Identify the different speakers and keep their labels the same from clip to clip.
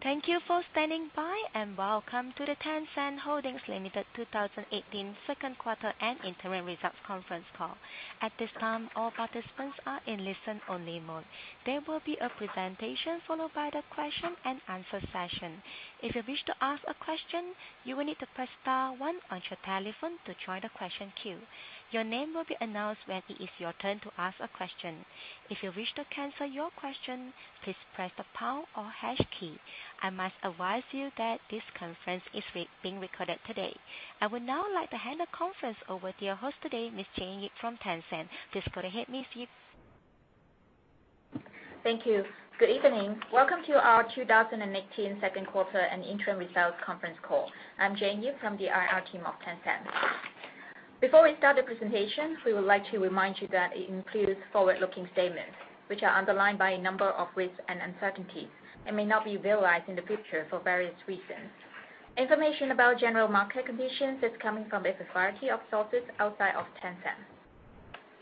Speaker 1: Thank you for standing by. Welcome to the Tencent Holdings Limited 2018 second quarter and interim results conference call. At this time, all participants are in listen-only mode. There will be a presentation followed by the question and answer session. If you wish to ask a question, you will need to press star one on your telephone to join the question queue. Your name will be announced when it is your turn to ask a question. If you wish to cancel your question, please press the pound or hash key. I must advise you that this conference is being recorded today. I would now like to hand the conference over to your host today, Ms. Jane Yip from Tencent. Please go ahead, Ms. Yip.
Speaker 2: Thank you. Good evening. Welcome to our 2018 second quarter and interim results conference call. I am Jane Yip from the IR team of Tencent. Before we start the presentation, we would like to remind you that it includes forward-looking statements, which are underlined by a number of risks and uncertainties, and may not be realized in the future for various reasons. Information about general market conditions is coming from a variety of sources outside of Tencent.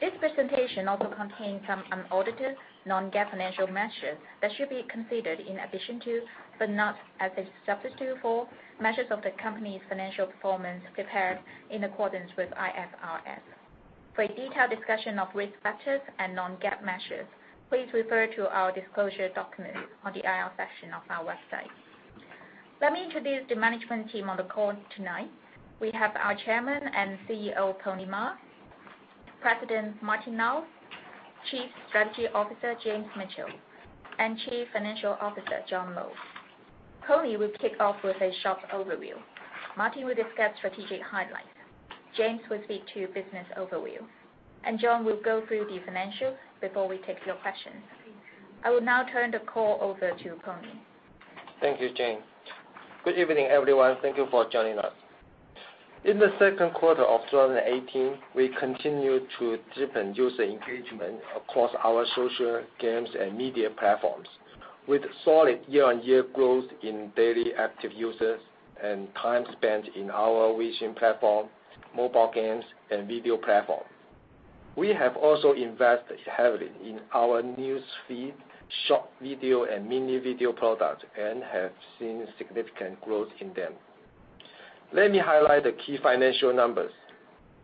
Speaker 2: This presentation also contains some unaudited, non-GAAP financial measures that should be considered in addition to, but not as a substitute for, measures of the company's financial performance prepared in accordance with IFRS. For a detailed discussion of risk factors and non-GAAP measures, please refer to our disclosure documents on the IR section of our website. Let me introduce the management team on the call tonight. We have our Chairman and CEO, Pony Ma, President Martin Lau, Chief Strategy Officer James Mitchell, and Chief Financial Officer John Lo. Pony will kick off with a short overview. Martin will discuss strategic highlights. James will speak to business overview, and John will go through the financials before we take your questions. I will now turn the call over to Pony.
Speaker 3: Thank you, Jane. Good evening, everyone. Thank you for joining us. In the second quarter of 2018, we continued to deepen user engagement across our social, games, and media platforms with solid year-on-year growth in daily active users and time spent in our WeChat platform, mobile games, and video platform. We have also invested heavily in our newsfeed, short video, and mini video products and have seen significant growth in them. Let me highlight the key financial numbers.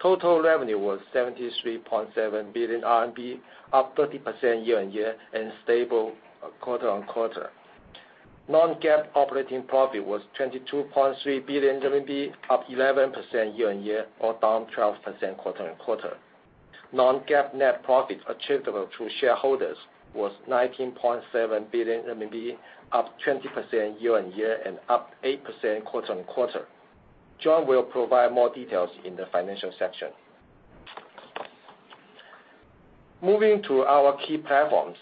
Speaker 3: Total revenue was 73.7 billion RMB, up 30% year-on-year, stable quarter-on-quarter. Non-GAAP operating profit was 22.3 billion RMB, up 11% year-on-year, or down 12% quarter-on-quarter. Non-GAAP net profits attributable to shareholders was 19.7 billion RMB, up 20% year-on-year, up 8% quarter-on-quarter. John will provide more details in the financial section. Moving to our key platforms.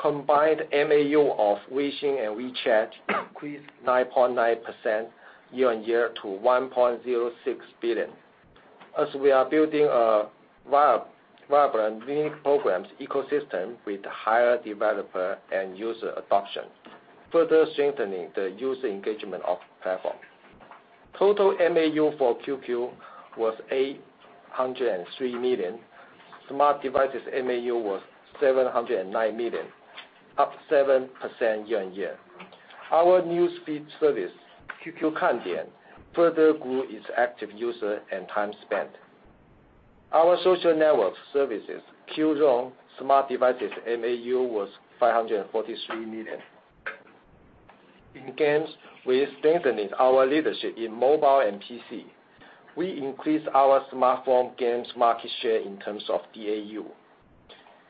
Speaker 3: Combined MAU of WeChat and Weixin increased 9.9% year-on-year to 1.06 billion, as we are building a vibrant Mini Programs ecosystem with higher developer and user adoption, further strengthening the user engagement of the platform. Total MAU for QQ was 803 million. Smart devices MAU was 709 million, up 7% year-on-year. Our newsfeed service, QQ KanDian, further grew its active user and time spent. Our social network services, Qzone smart devices MAU was 543 million. In games, we are strengthening our leadership in mobile and PC. We increased our smartphone games market share in terms of DAU.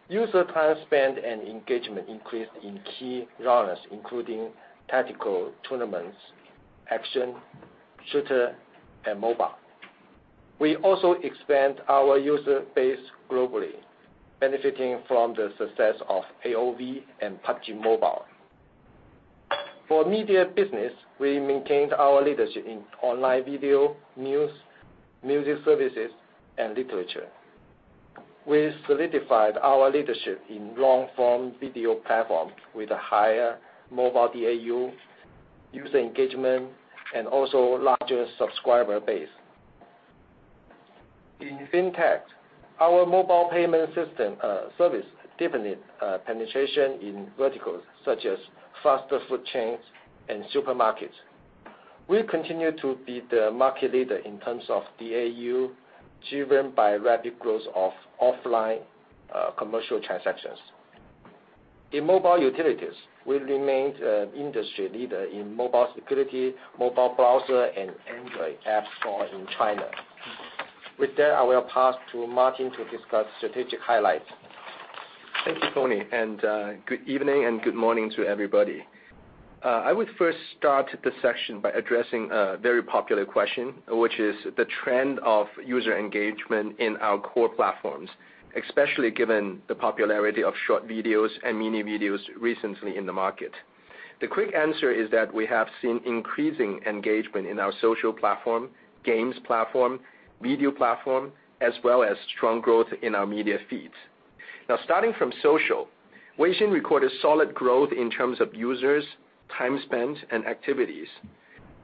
Speaker 3: User time spent and engagement increased in key genres, including tactical tournaments, action, shooter, and mobile. We also expand our user base globally, benefiting from the success of AoV and PUBG Mobile. For media business, we maintained our leadership in online video, news, music services, and literature. We solidified our leadership in long-form video platform with a higher mobile DAU, user engagement, and also larger subscriber base. In fintech, our mobile payment service deepened penetration in verticals such as faster food chains and supermarkets. We continue to be the market leader in terms of DAU, driven by rapid growth of offline commercial transactions. In mobile utilities, we remained industry leader in mobile security, mobile browser and Android app store in China. With that, I will pass to Martin to discuss strategic highlights.
Speaker 4: Thank you, Pony. Good evening and good morning to everybody. I would first start this section by addressing a very popular question, which is the trend of user engagement in our core platforms, especially given the popularity of short videos and mini videos recently in the market. The quick answer is that we have seen increasing engagement in our social platform, games platform, video platform, as well as strong growth in our media feeds. Starting from social, Weixin recorded solid growth in terms of users, time spent, and activities.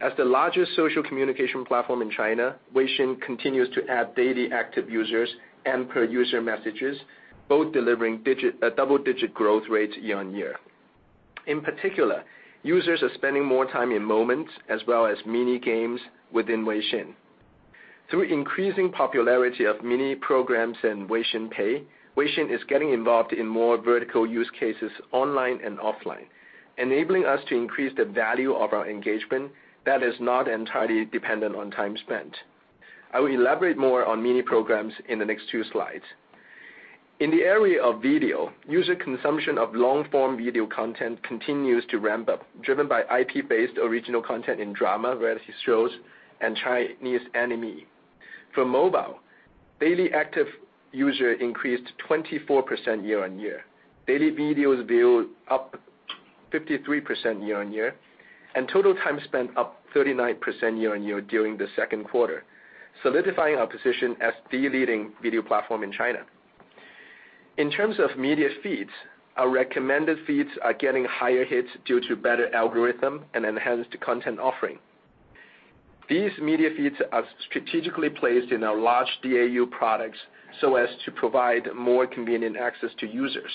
Speaker 4: As the largest social communication platform in China, WeChat continues to add daily active users and per user messages, both delivering a double-digit growth rate year-on-year. In particular, users are spending more time in Moments as well as Mini Games within WeChat. Through increasing popularity of Mini Programs and WeChat Pay, WeChat is getting involved in more vertical use cases online and offline, enabling us to increase the value of our engagement that is not entirely dependent on time spent. I will elaborate more on Mini Programs in the next two slides. In the area of video, user consumption of long-form video content continues to ramp up, driven by IP-based original content in drama, reality shows, and Chinese anime. For mobile, daily active user increased 24% year-on-year. Daily videos viewed up 53% year-on-year. Total time spent up 39% year-on-year during the second quarter, solidifying our position as the leading video platform in China. In terms of media feeds, our recommended feeds are getting higher hits due to better algorithm and enhanced content offering. These media feeds are strategically placed in our large DAU products so as to provide more convenient access to users.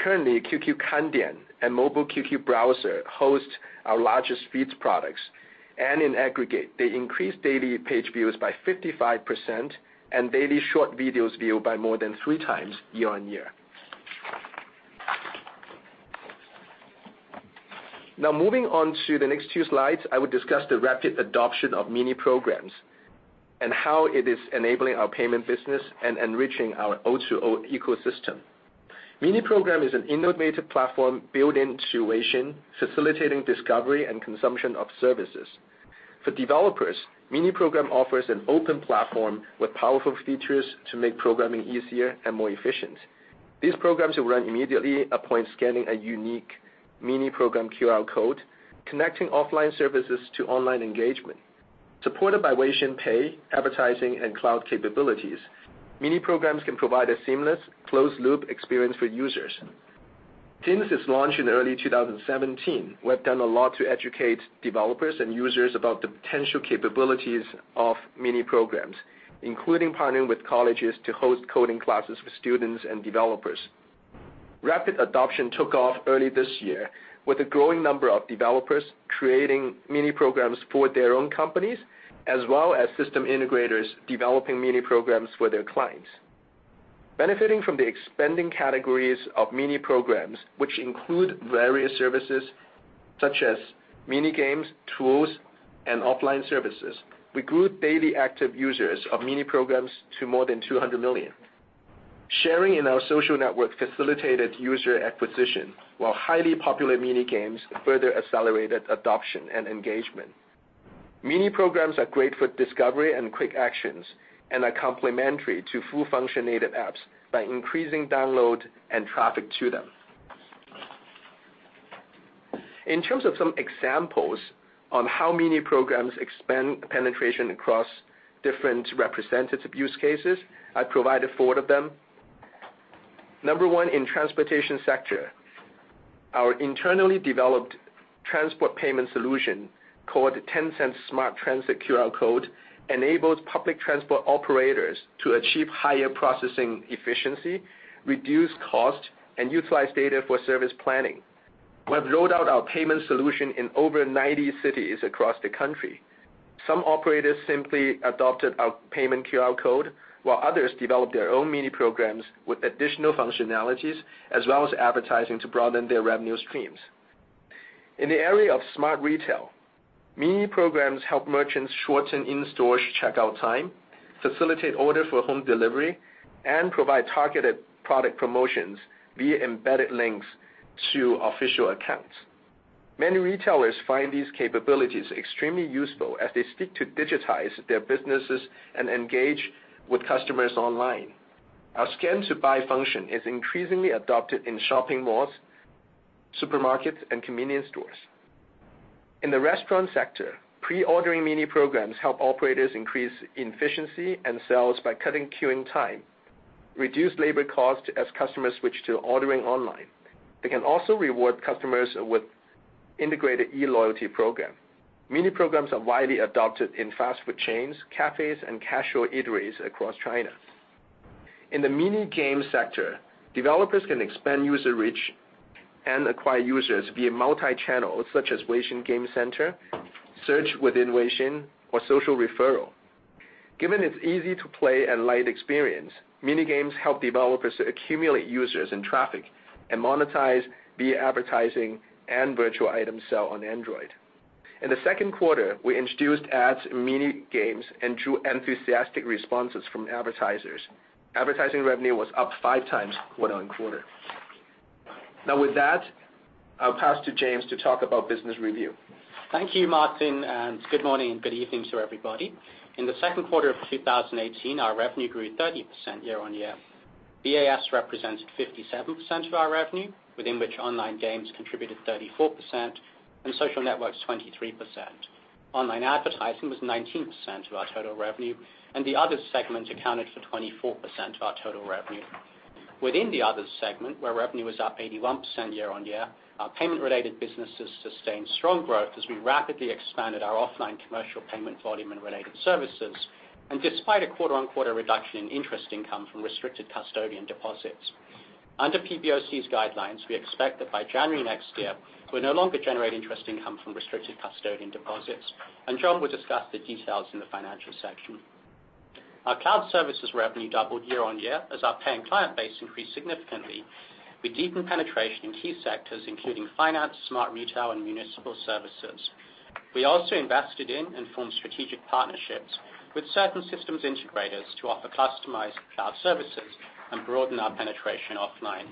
Speaker 4: Currently, QQ KanDian and Mobile QQ browser host our largest feeds products, and in aggregate, they increase daily page views by 55% and daily short videos viewed by more than three times year-on-year. Moving on to the next two slides, I will discuss the rapid adoption of Mini Programs and how it is enabling our payment business and enriching our O2O ecosystem. Mini Program is an innovative platform built into WeChat, facilitating discovery and consumption of services. For developers, Mini Program offers an open platform with powerful features to make programming easier and more efficient. These programs will run immediately upon scanning a unique Mini Program QR code, connecting offline services to online engagement. Supported by WeChat Pay, advertising, and cloud capabilities, Mini Programs can provide a seamless, closed-loop experience for users. Since its launch in early 2017, we have done a lot to educate developers and users about the potential capabilities of Mini Programs, including partnering with colleges to host coding classes for students and developers. Rapid adoption took off early this year with a growing number of developers creating Mini Programs for their own companies, as well as system integrators developing Mini Programs for their clients. Benefiting from the expanding categories of Mini Programs, which include various services such as Mini Games, tools, and offline services, we grew daily active users of Mini Programs to more than 200 million. Sharing in our social network facilitated user acquisition, while highly popular Mini Games further accelerated adoption and engagement. Mini Programs are great for discovery and quick actions and are complementary to full-function native apps by increasing download and traffic to them. In terms of some examples on how Mini Programs expand penetration across different representative use cases, I provided four of them. Number one, in transportation sector. Our internally developed transport payment solution, called Tencent Transit QR code, enables public transport operators to achieve higher processing efficiency, reduce cost, and utilize data for service planning. We have rolled out our payment solution in over 90 cities across the country. Some operators simply adopted our payment QR code, while others developed their own Mini Programs with additional functionalities as well as advertising to broaden their revenue streams. In the area of smart retail, Mini Programs help merchants shorten in-store checkout time, facilitate order for home delivery, and provide targeted product promotions via embedded links to official accounts. Many retailers find these capabilities extremely useful as they seek to digitize their businesses and engage with customers online. Our scan-to-buy function is increasingly adopted in shopping malls, supermarkets, and convenience stores. In the restaurant sector, pre-ordering Mini Programs help operators increase efficiency and sales by cutting queuing time, reduce labor cost as customers switch to ordering online. They can also reward customers with integrated e-loyalty program. Mini Programs are widely adopted in fast food chains, cafes, and casual eateries across China. In the Mini Game sector, developers can expand user reach and acquire users via multi-channels such as WeChat Game Center, search within WeChat or social referral. Given its easy-to-play and light experience, mini games help developers accumulate users and traffic and monetize via advertising and virtual item sale on Android. In the second quarter, we introduced ads in mini games and drew enthusiastic responses from advertisers. Advertising revenue was up five times quarter-on-quarter. Now with that, I will pass to James to talk about business review.
Speaker 5: Thank you, Martin, and good morning and good evening to everybody. In the second quarter of 2018, our revenue grew 30% year-on-year. VAS represented 57% of our revenue, within which online games contributed 34% and social networks 23%. Online advertising was 19% of our total revenue, and the other segment accounted for 24% of our total revenue. Within the others segment, where revenue is up 81% year-on-year, our payment-related businesses sustained strong growth as we rapidly expanded our offline commercial payment volume and related services, and despite a quarter-on-quarter reduction in interest income from restricted custodian deposits. Under PBOC's guidelines, we expect that by January next year, we will no longer generate interest income from restricted custodian deposits, and John will discuss the details in the financial section. Our cloud services revenue doubled year-on-year as our paying client base increased significantly with deepened penetration in key sectors including finance, smart retail, and municipal services. We also invested in and formed strategic partnerships with certain systems integrators to offer customized cloud services and broaden our penetration offline.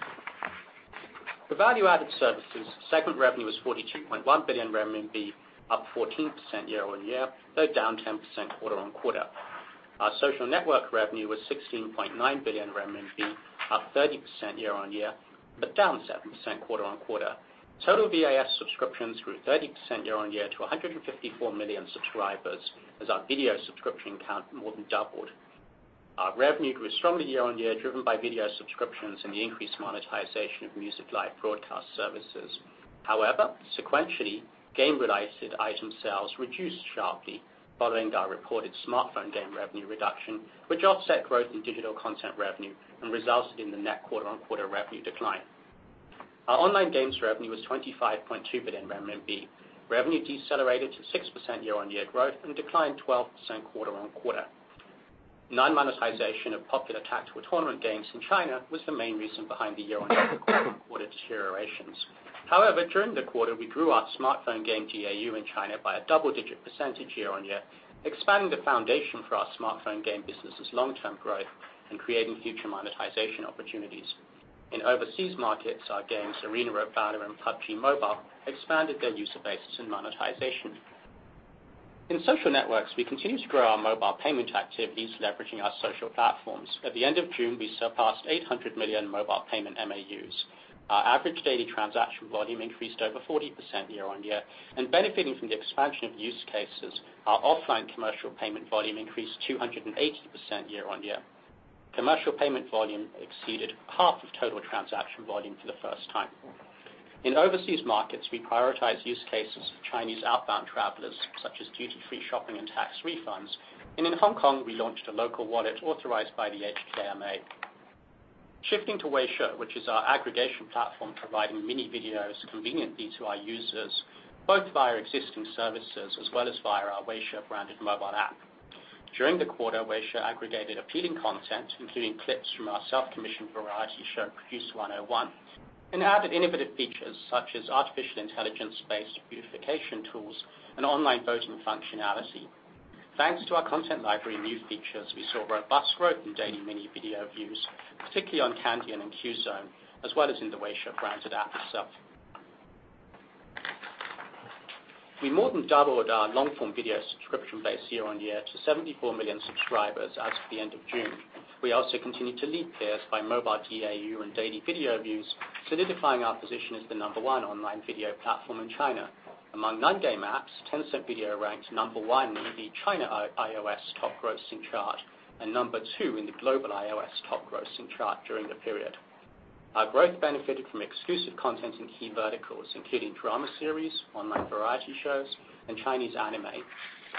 Speaker 5: For Value-Added Services, segment revenue was 42.1 billion renminbi, up 14% year-on-year, though down 10% quarter-on-quarter. Our social network revenue was 16.9 billion RMB, up 30% year-on-year, but down 7% quarter-on-quarter. Total VAS subscriptions grew 30% year-on-year to 154 million subscribers as our video subscription count more than doubled. Our revenue grew strongly year-on-year, driven by video subscriptions and the increased monetization of music live broadcast services. However, sequentially, game related item sales reduced sharply following our reported smartphone game revenue reduction, which offset growth in digital content revenue and resulted in the net quarter-on-quarter revenue decline. Our online games revenue was 25.2 billion RMB. Revenue decelerated to 6% year-on-year growth and declined 12% quarter-on-quarter. Non-monetization of popular tactical tournament games in China was the main reason behind the year-on-year quarter-on-quarter deteriorations. However, during the quarter, we grew our smartphone game DAU in China by a double-digit percentage year-on-year, expanding the foundation for our smartphone game business' long-term growth and creating future monetization opportunities. In overseas markets, our games, Arena of Valor and PUBG Mobile, expanded their user base and monetization. In social networks, we continue to grow our mobile payment activities, leveraging our social platforms. At the end of June, we surpassed 800 million mobile payment MAUs. Our average daily transaction volume increased over 40% year-on-year. And benefiting from the expansion of use cases, our offline commercial payment volume increased 280% year-on-year. Commercial payment volume exceeded half of total transaction volume for the first time. In overseas markets, we prioritize use cases of Chinese outbound travelers, such as duty-free shopping and tax refunds. In Hong Kong, we launched a local wallet authorized by the HKMA. Shifting to Weishi, which is our aggregation platform providing mini videos conveniently to our users, both via existing services as well as via our Weishi branded mobile app. During the quarter, Weishi aggregated appealing content, including clips from our self-commissioned variety show, Produce 101, and added innovative features such as artificial intelligence-based beautification tools and online voting functionality. Thanks to our content library and new features, we saw robust growth in daily mini video views, particularly on QQ KanDian and in Qzone, as well as in the Weishi branded app itself. We more than doubled our long-form video subscription base year-on-year to 74 million subscribers as of the end of June. We also continue to lead peers by mobile DAU and daily video views, solidifying our position as the number 1 online video platform in China. Among non-game apps, Tencent Video ranks number 1 in the China iOS top grossing chart and number 2 in the global iOS top grossing chart during the period. Our growth benefited from exclusive content in key verticals, including drama series, online variety shows, and Chinese anime.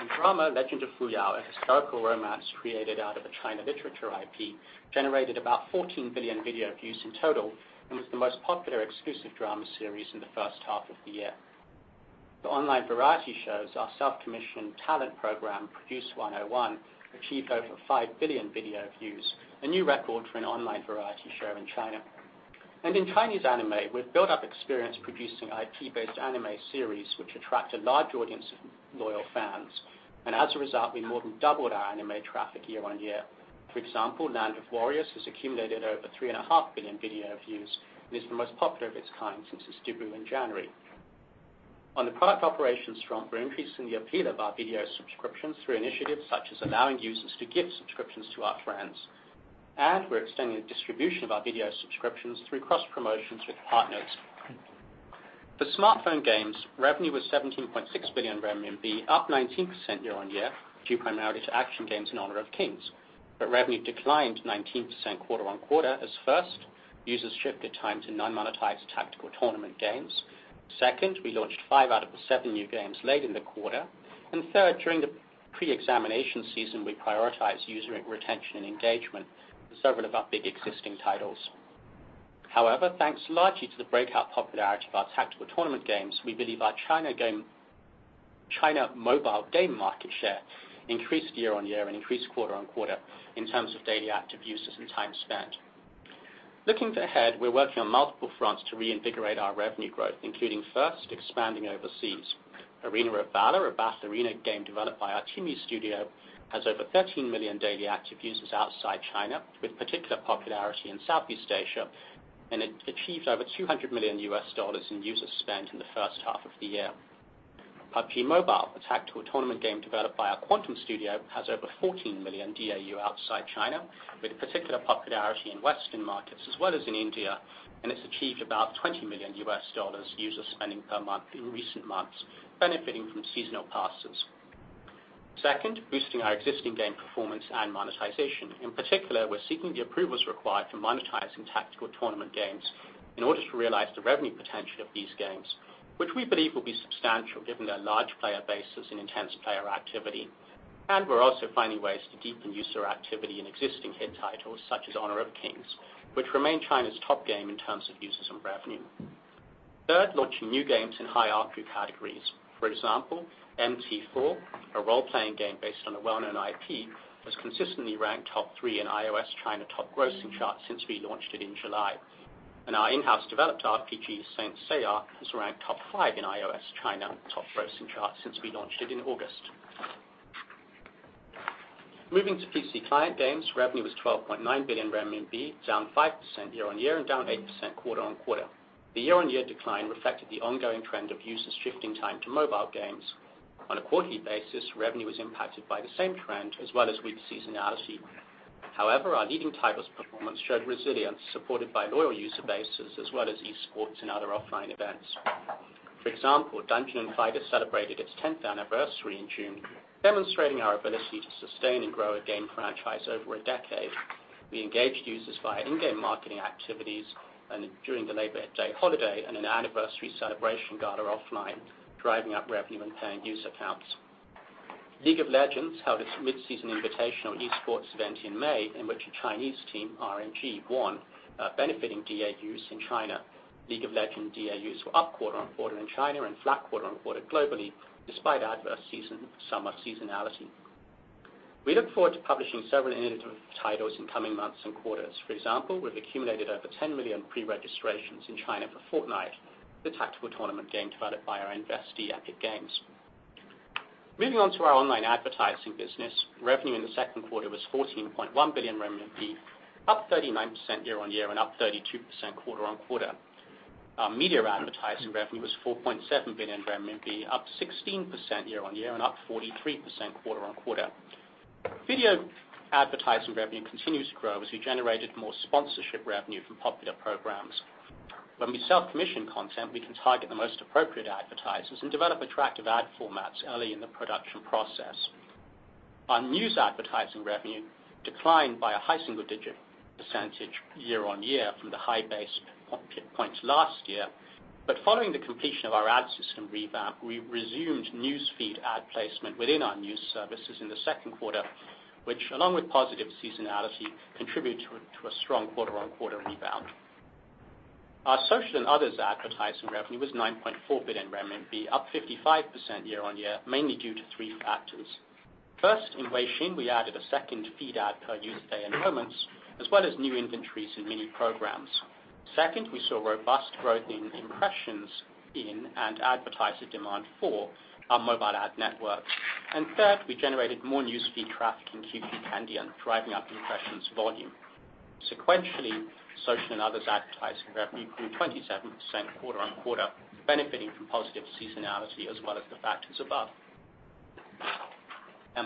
Speaker 5: In drama, Legend of Fuyao, a historical romance created out of a China Literature IP, generated about 14 billion video views in total and was the most popular exclusive drama series in the first half of the year. The online variety shows, our self-commissioned talent program, Produce 101, achieved over 5 billion video views, a new record for an online variety show in China. In Chinese anime, we've built up experience producing IP-based anime series which attract a large audience of loyal fans. As a result, we more than doubled our anime traffic year-on-year. For example, The Land of Warriors has accumulated over 3.5 billion video views and is the most popular of its kind since its debut in January. On the product operations front, we're increasing the appeal of our video subscriptions through initiatives such as allowing users to give subscriptions to our friends. We're extending the distribution of our video subscriptions through cross-promotions with partners. For smartphone games, revenue was 17.6 billion RMB, up 19% year-on-year, due primarily to action games and Honor of Kings. Revenue declined 19% quarter-on-quarter as first, users shifted time to non-monetized tactical tournament games. Second, we launched five out of the seven new games late in the quarter. Third, during the pre-examination season, we prioritized user retention and engagement with several of our big existing titles. However, thanks largely to the breakout popularity of our tactical tournament games, we believe our China mobile game market share increased year-on-year and increased quarter-on-quarter in terms of daily active users and time spent. Looking ahead, we're working on multiple fronts to reinvigorate our revenue growth, including first, expanding overseas. Arena of Valor, a battle arena game developed by our TiMi studio, has over 13 million daily active users outside China, with particular popularity in Southeast Asia, and it achieved over $200 million in user spend in the first half of the year. PUBG Mobile, a tactical tournament game developed by our Quantum Studio, has over 14 million DAU outside China, with particular popularity in Western markets as well as in India, and it's achieved about RMB 20 million user spending per month in recent months, benefiting from seasonal passes. Second, boosting our existing game performance and monetization. In particular, we're seeking the approvals required for monetizing tactical tournament games in order to realize the revenue potential of these games, which we believe will be substantial given their large player bases and intense player activity. We're also finding ways to deepen user activity in existing hit titles such as "Honor of Kings," which remain China's top game in terms of users and revenue. Third, launching new games in hierarchy categories. For example, "MT4," a role-playing game based on a well-known IP, was consistently ranked top three in iOS China top grossing charts since we launched it in July. Our in-house developed RPG, "Saint Seiya," has ranked top five in iOS China top grossing charts since we launched it in August. Moving to PC client games, revenue was 12.9 billion RMB, down 5% year-on-year and down 8% quarter-on-quarter. The year-on-year decline reflected the ongoing trend of users shifting time to mobile games. On a quarterly basis, revenue was impacted by the same trend as well as weak seasonality. However, our leading titles performance showed resilience supported by loyal user bases as well as e-sports and other offline events. For example, "Dungeon & Fighter" celebrated its 10th anniversary in June, demonstrating our ability to sustain and grow a game franchise over a decade. We engaged users via in-game marketing activities and during the Labor Day holiday and an anniversary celebration gala offline, driving up revenue and paying user counts. "League of Legends" held its mid-season invitational e-sports event in May, in which a Chinese team, RNG, won, benefiting DAUs in China. "League of Legends" DAUs were up quarter-on-quarter in China and flat quarter-on-quarter globally, despite adverse summer seasonality. We look forward to publishing several innovative titles in coming months and quarters. For example, we've accumulated over 10 million pre-registrations in China for "Fortnite," the tactical tournament game developed by our investee, Epic Games. Moving on to our online advertising business, revenue in the second quarter was 14.1 billion RMB, up 39% year-on-year and up 32% quarter-on-quarter. Our media advertising revenue was 4.7 billion RMB, up 16% year-on-year and up 43% quarter-on-quarter. Video advertising revenue continues to grow as we generated more sponsorship revenue from popular programs. When we self-commission content, we can target the most appropriate advertisers and develop attractive ad formats early in the production process. Our news advertising revenue declined by a high single-digit percentage year-on-year from the high base points last year. Following the completion of our ad system revamp, we resumed news feed ad placement within our news services in the second quarter, which along with positive seasonality, contributed to a strong quarter-on-quarter rebound. Our social and others advertising revenue was 9.4 billion RMB, up 55% year-on-year, mainly due to three factors. First, in Weixin, we added a second feed ad per user day in Moments, as well as new inventories in Mini Programs. Second, we saw robust growth in impressions in and advertiser demand for our mobile ad networks. Third, we generated more news feed traffic in QQ Kan Dian, driving up impressions volume. Sequentially, social and others advertising revenue grew 27% quarter-on-quarter, benefiting from positive seasonality as well as the factors above.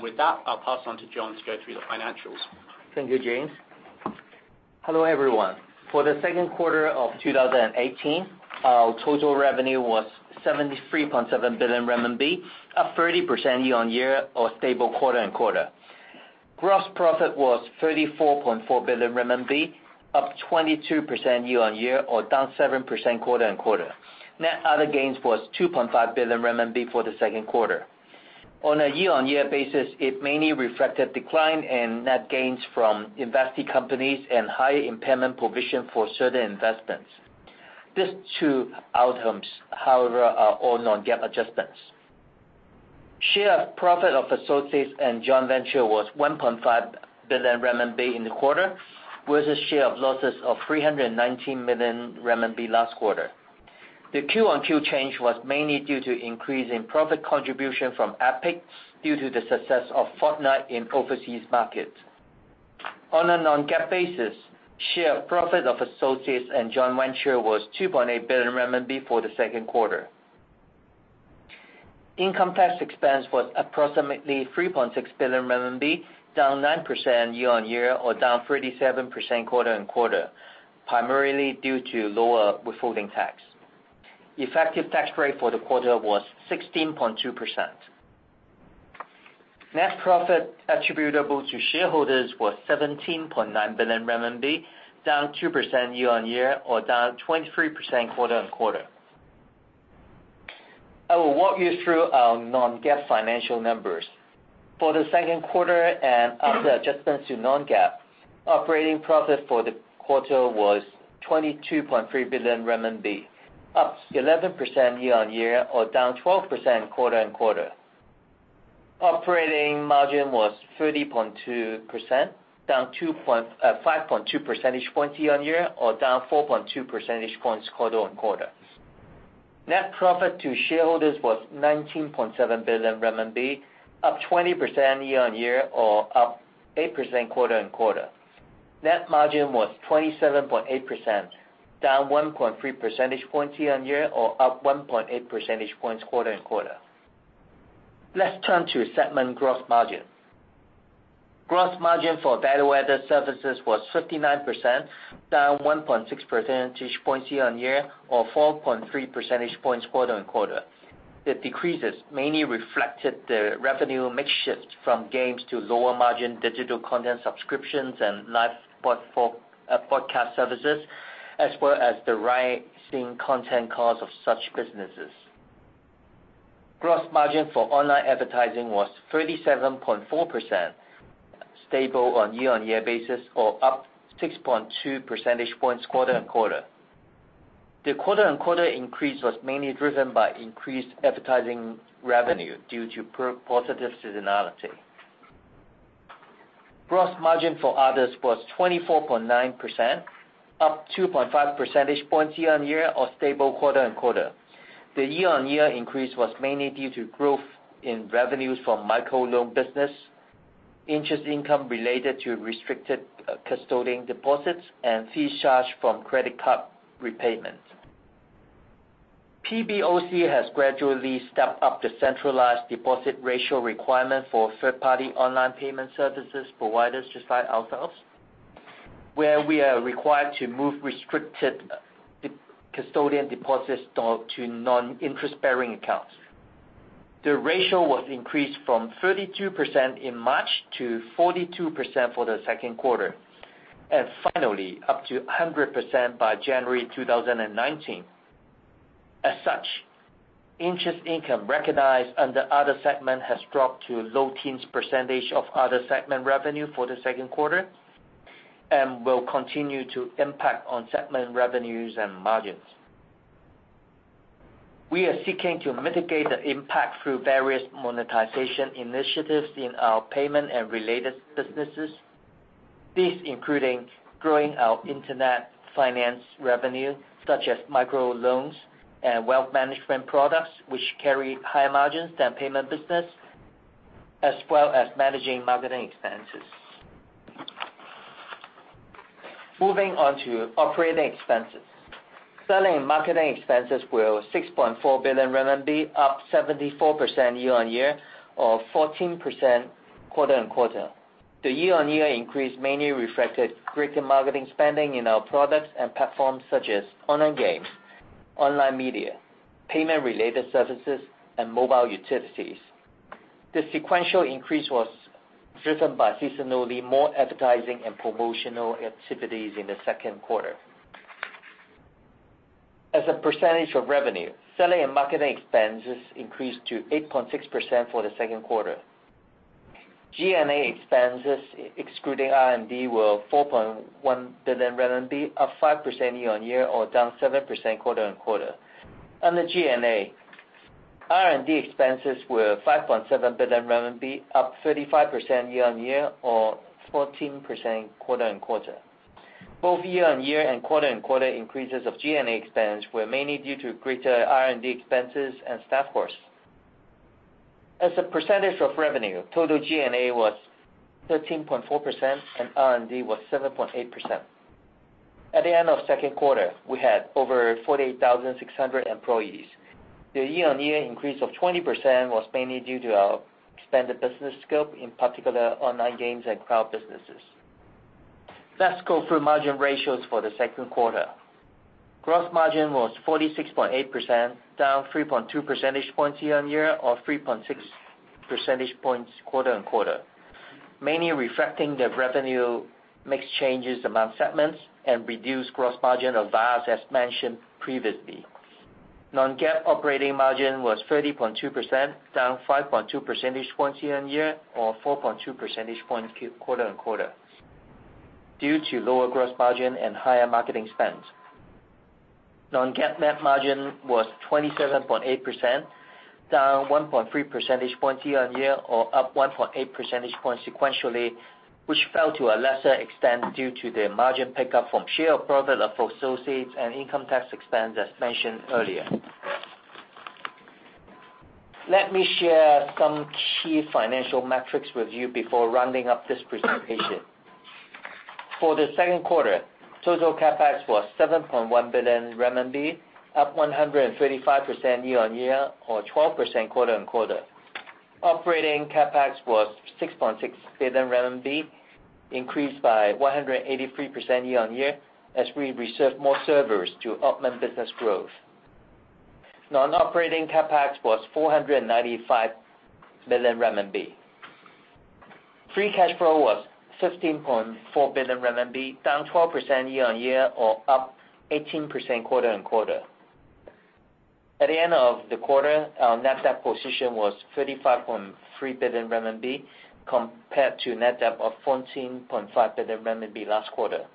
Speaker 5: With that, I'll pass on to John to go through the financials.
Speaker 6: Thank you, James. Hello, everyone. For the second quarter of 2018, our total revenue was 73.7 billion RMB, up 30% year-on-year or stable quarter-on-quarter. Gross profit was 34.4 billion RMB, up 22% year-on-year or down 7% quarter-on-quarter. Net other gains was 2.5 billion RMB for the second quarter. On a year-on-year basis, it mainly reflected decline in net gains from investee companies and higher impairment provision for certain investments. These two outcomes, however, are all non-GAAP adjustments. Share of profit of associates and joint venture was 1.5 billion renminbi in the quarter, versus share of losses of 319 million renminbi last quarter. The Q1Q change was mainly due to increase in profit contribution from Epic due to the success of Fortnite in overseas markets. On a non-GAAP basis, share of profit of associates and joint venture was 2.8 billion RMB for the second quarter. Income tax expense was approximately 3.6 billion RMB, down 9% year-on-year or down 37% quarter-on-quarter, primarily due to lower withholding tax. Effective tax rate for the quarter was 16.2%. Net profit attributable to shareholders was 17.9 billion RMB, down 2% year-on-year or down 23% quarter-on-quarter. I will walk you through our non-GAAP financial numbers. For the second quarter and other adjustments to non-GAAP, operating profit for the quarter was 22.3 billion RMB, up 11% year-on-year or down 12% quarter-on-quarter. Operating margin was 30.2%, down 5.2 percentage points year-on-year or down 4.2 percentage points quarter-on-quarter. Net profit to shareholders was 19.7 billion RMB, up 20% year-on-year or up 8% quarter-on-quarter. Net margin was 27.8%, down 1.3 percentage points year-on-year or up 1.8 percentage points quarter-on-quarter. Let's turn to segment gross margin. Gross margin for Value-Added Services was 59%, down 1.6 percentage points year-on-year or 4.3 percentage points quarter-on-quarter. The decreases mainly reflected the revenue mix shift from games to lower margin digital content subscriptions and live broadcast services, as well as the rising content cost of such businesses. Gross margin for online advertising was 37.4%, stable on year-on-year basis or up 6.2 percentage points quarter-on-quarter. The quarter-on-quarter increase was mainly driven by increased advertising revenue due to positive seasonality. Gross margin for others was 24.9%, up 2.5 percentage points year-on-year, or stable quarter-on-quarter. The year-on-year increase was mainly due to growth in revenues from micro-loan business, interest income related to restricted custodian deposits, and fees charged from credit card repayments. PBOC has gradually stepped up the centralized deposit ratio requirement for third-party online payment services providers just like ourselves, where we are required to move restricted custodian deposits to non-interest-bearing accounts. The ratio was increased from 32% in March to 42% for the second quarter, and finally up to 100% by January 2019. As such, interest income recognized under other segment has dropped to low teens percentage of other segment revenue for the second quarter and will continue to impact on segment revenues and margins. We are seeking to mitigate the impact through various monetization initiatives in our payment and related businesses. These including growing our Internet finance revenue, such as microloans and wealth management products, which carry higher margins than payment business, as well as managing marketing expenses. Moving on to operating expenses. Selling and marketing expenses were 6.4 billion RMB, up 74% year-on-year or 14% quarter-on-quarter. The year-on-year increase mainly reflected greater marketing spending in our products and platforms such as online games, online media, payment-related services, and mobile utilities. The sequential increase was driven by seasonally more advertising and promotional activities in the second quarter. As a percentage of revenue, selling and marketing expenses increased to 8.6% for the second quarter. G&A expenses excluding R&D were 4.1 billion RMB, up 5% year-on-year or down 7% quarter-on-quarter. Under G&A, R&D expenses were 5.7 billion RMB, up 35% year-on-year or 14% quarter-on-quarter. Both year-on-year and quarter-on-quarter increases of G&A expense were mainly due to greater R&D expenses and staff costs. As a percentage of revenue, total G&A was 13.4% and R&D was 7.8%. At the end of second quarter, we had over 48,600 employees. The year-on-year increase of 20% was mainly due to our expanded business scope, in particular online games and cloud businesses. Let's go through margin ratios for the second quarter. Gross margin was 46.8%, down 3.2 percentage points year-on-year or 3.6 percentage points quarter-on-quarter, mainly reflecting the revenue mix changes among segments and reduced gross margin of VAS, as mentioned previously. Non-GAAP operating margin was 30.2%, down 5.2 percentage points year-on-year or 4.2 percentage points quarter-on-quarter due to lower gross margin and higher marketing spend. Non-GAAP net margin was 27.8%, down 1.3 percentage points year-on-year or up 1.8 percentage points sequentially, which fell to a lesser extent due to the margin pickup from share of profit of associates and income tax expense, as mentioned earlier. Let me share some key financial metrics with you before rounding up this presentation. For the second quarter, total CapEx was 7.1 billion renminbi, up 135% year-on-year or 12% quarter-on-quarter. Operating CapEx was 6.6 billion RMB, increased by 183% year-on-year as we reserved more servers to augment business growth. Non-operating CapEx was 495 million RMB. Free cash flow was 15.4 billion RMB, down 12% year-on-year or up 18% quarter-on-quarter. At the end of the quarter, our net debt position was 35.3 billion RMB compared to a net debt of 14.5 billion RMB last quarter.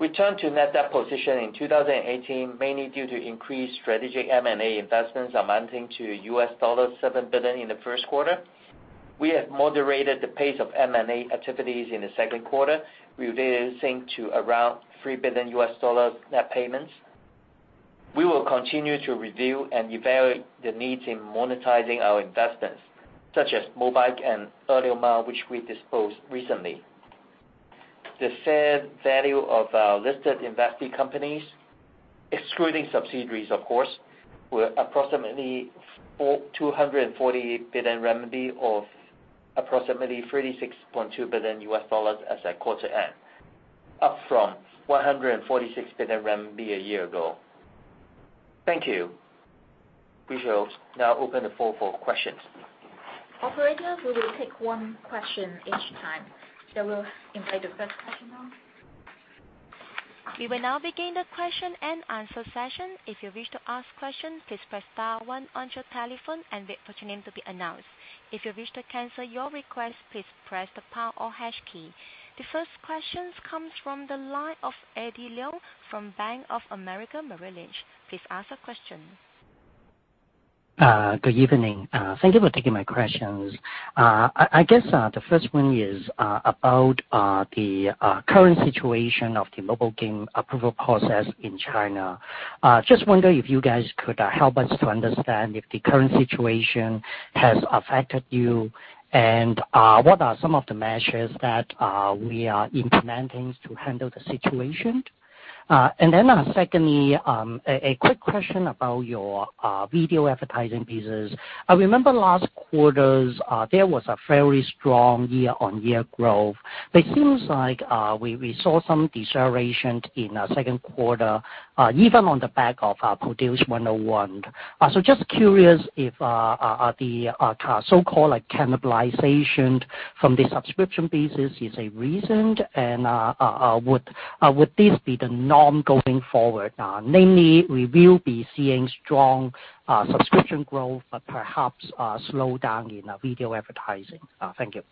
Speaker 6: We turned to net debt position in 2018, mainly due to increased strategic M&A investments amounting to $7 billion in the first quarter. We have moderated the pace of M&A activities in the second quarter, reducing to around $3 billion net payments. We will continue to review and evaluate the needs in monetizing our investments, such as Mobike and Didi which we disposed recently. The fair value of our listed investee companies, excluding subsidiaries of course, were approximately 240 billion of approximately $36.2 billion as at quarter end, up from 146 billion RMB a year ago. Thank you. We shall now open the floor for questions.
Speaker 2: Operator, we will take one question each time. We will invite the first question now.
Speaker 1: We will now begin the question and answer session. If you wish to ask question, please press star one on your telephone and wait for your name to be announced. If you wish to cancel your request, please press the pound or hash key. The first question comes from the line of Eddie Leung from Bank of America Merrill Lynch. Please ask your question.
Speaker 7: Good evening. Thank you for taking my questions. I guess, the first one is about the current situation of the mobile game approval process in China. Just wonder if you guys could help us to understand if the current situation has affected you, and what are some of the measures that we are implementing to handle the situation? Secondly, a quick question about your video advertising business. I remember last quarters, there was a very strong year-on-year growth, but seems like, we saw some deceleration in second quarter, even on the back of our Produce 101. Just curious if the so-called cannibalization from the subscription business is a reason, and would this be the norm going forward? Namely, we will be seeing strong subscription growth but perhaps a slowdown in video advertising. Thank you.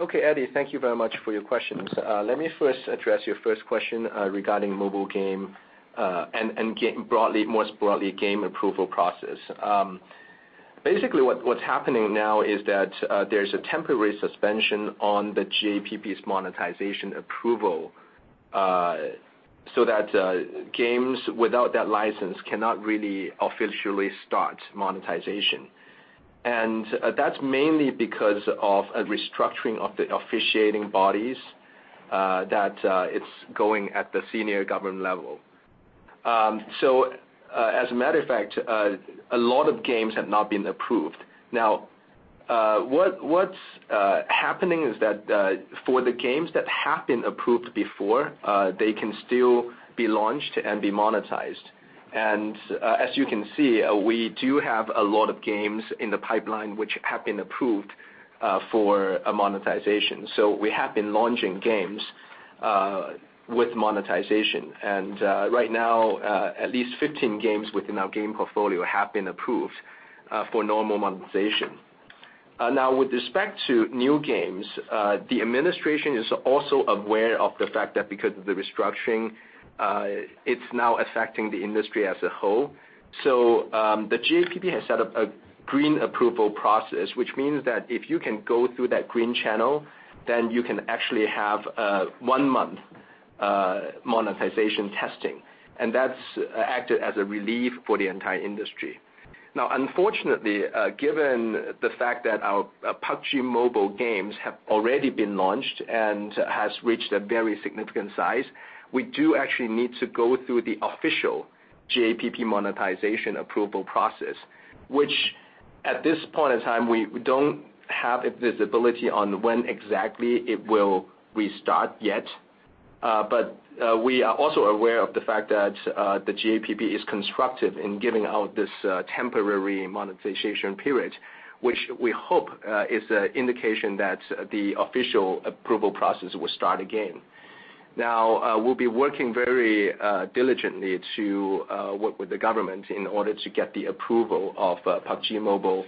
Speaker 4: Okay, Eddie, thank you very much for your questions. Let me first address your first question regarding mobile game, and more broadly, game approval process. Basically, what's happening now is that, there is a temporary suspension on the GAPP's monetization approval, so that games without that license cannot really officially start monetization. That is mainly because of a restructuring of the officiating bodies, that it is going at the senior government level. As a matter of fact, a lot of games have not been approved. What is happening is that for the games that have been approved before, they can still be launched and be monetized. As you can see, we do have a lot of games in the pipeline which have been approved for monetization. We have been launching games with monetization, and right now, at least 15 games within our game portfolio have been approved for normal monetization. With respect to new games, the administration is also aware of the fact that because of the restructuring, it is now affecting the industry as a whole. The GAPP has set up a green approval process, which means that if you can go through that green channel, then you can actually have a one-month monetization testing. That has acted as a relief for the entire industry. Unfortunately, given the fact that our PUBG Mobile games have already been launched and has reached a very significant size, we do actually need to go through the official GAPP monetization approval process, which at this point in time, we don't have visibility on when exactly it will restart yet. We are also aware of the fact that the GAPP is constructive in giving out this temporary monetization period, which we hope is an indication that the official approval process will start again. We will be working very diligently to work with the government in order to get the approval of PUBG Mobile,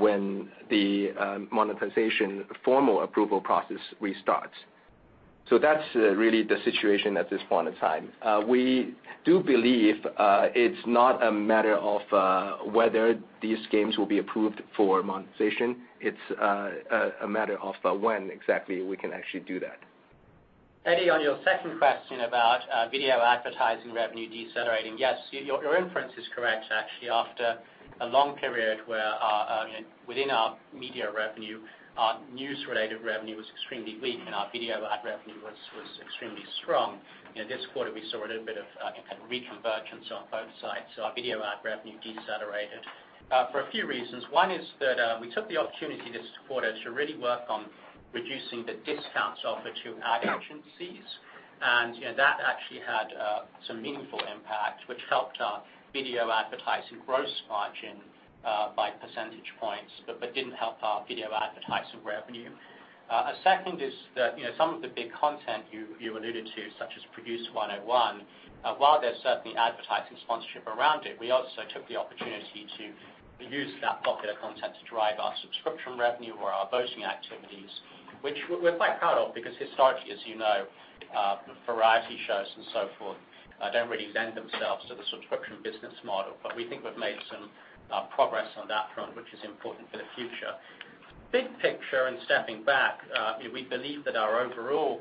Speaker 4: when the monetization formal approval process restarts. That is really the situation at this point in time. We do believe it is not a matter of whether these games will be approved for monetization. It is a matter of when exactly we can actually do that.
Speaker 5: Eddie, on your second question about video advertising revenue decelerating. Yes, your inference is correct, actually, after a long period where within our media revenue, our news-related revenue was extremely weak and our video ad revenue was extremely strong. This quarter we saw a little bit of reconvergence on both sides. Our video ad revenue decelerated for a few reasons. One is that we took the opportunity this quarter to really work on reducing the discounts offered to ad agencies, and that actually had some meaningful impact, which helped our video advertising gross margin by percentage points, but didn't help our video advertising revenue. A second is that some of the big content you alluded to, such as Produce 101, while there's certainly advertising sponsorship around it, we also took the opportunity to use that popular content to drive our subscription revenue or our voting activities, which we're quite proud of because historically, as you know, variety shows and so forth don't really lend themselves to the subscription business model. We think we've made some progress on that front, which is important for the future. Big picture and stepping back, we believe that our overall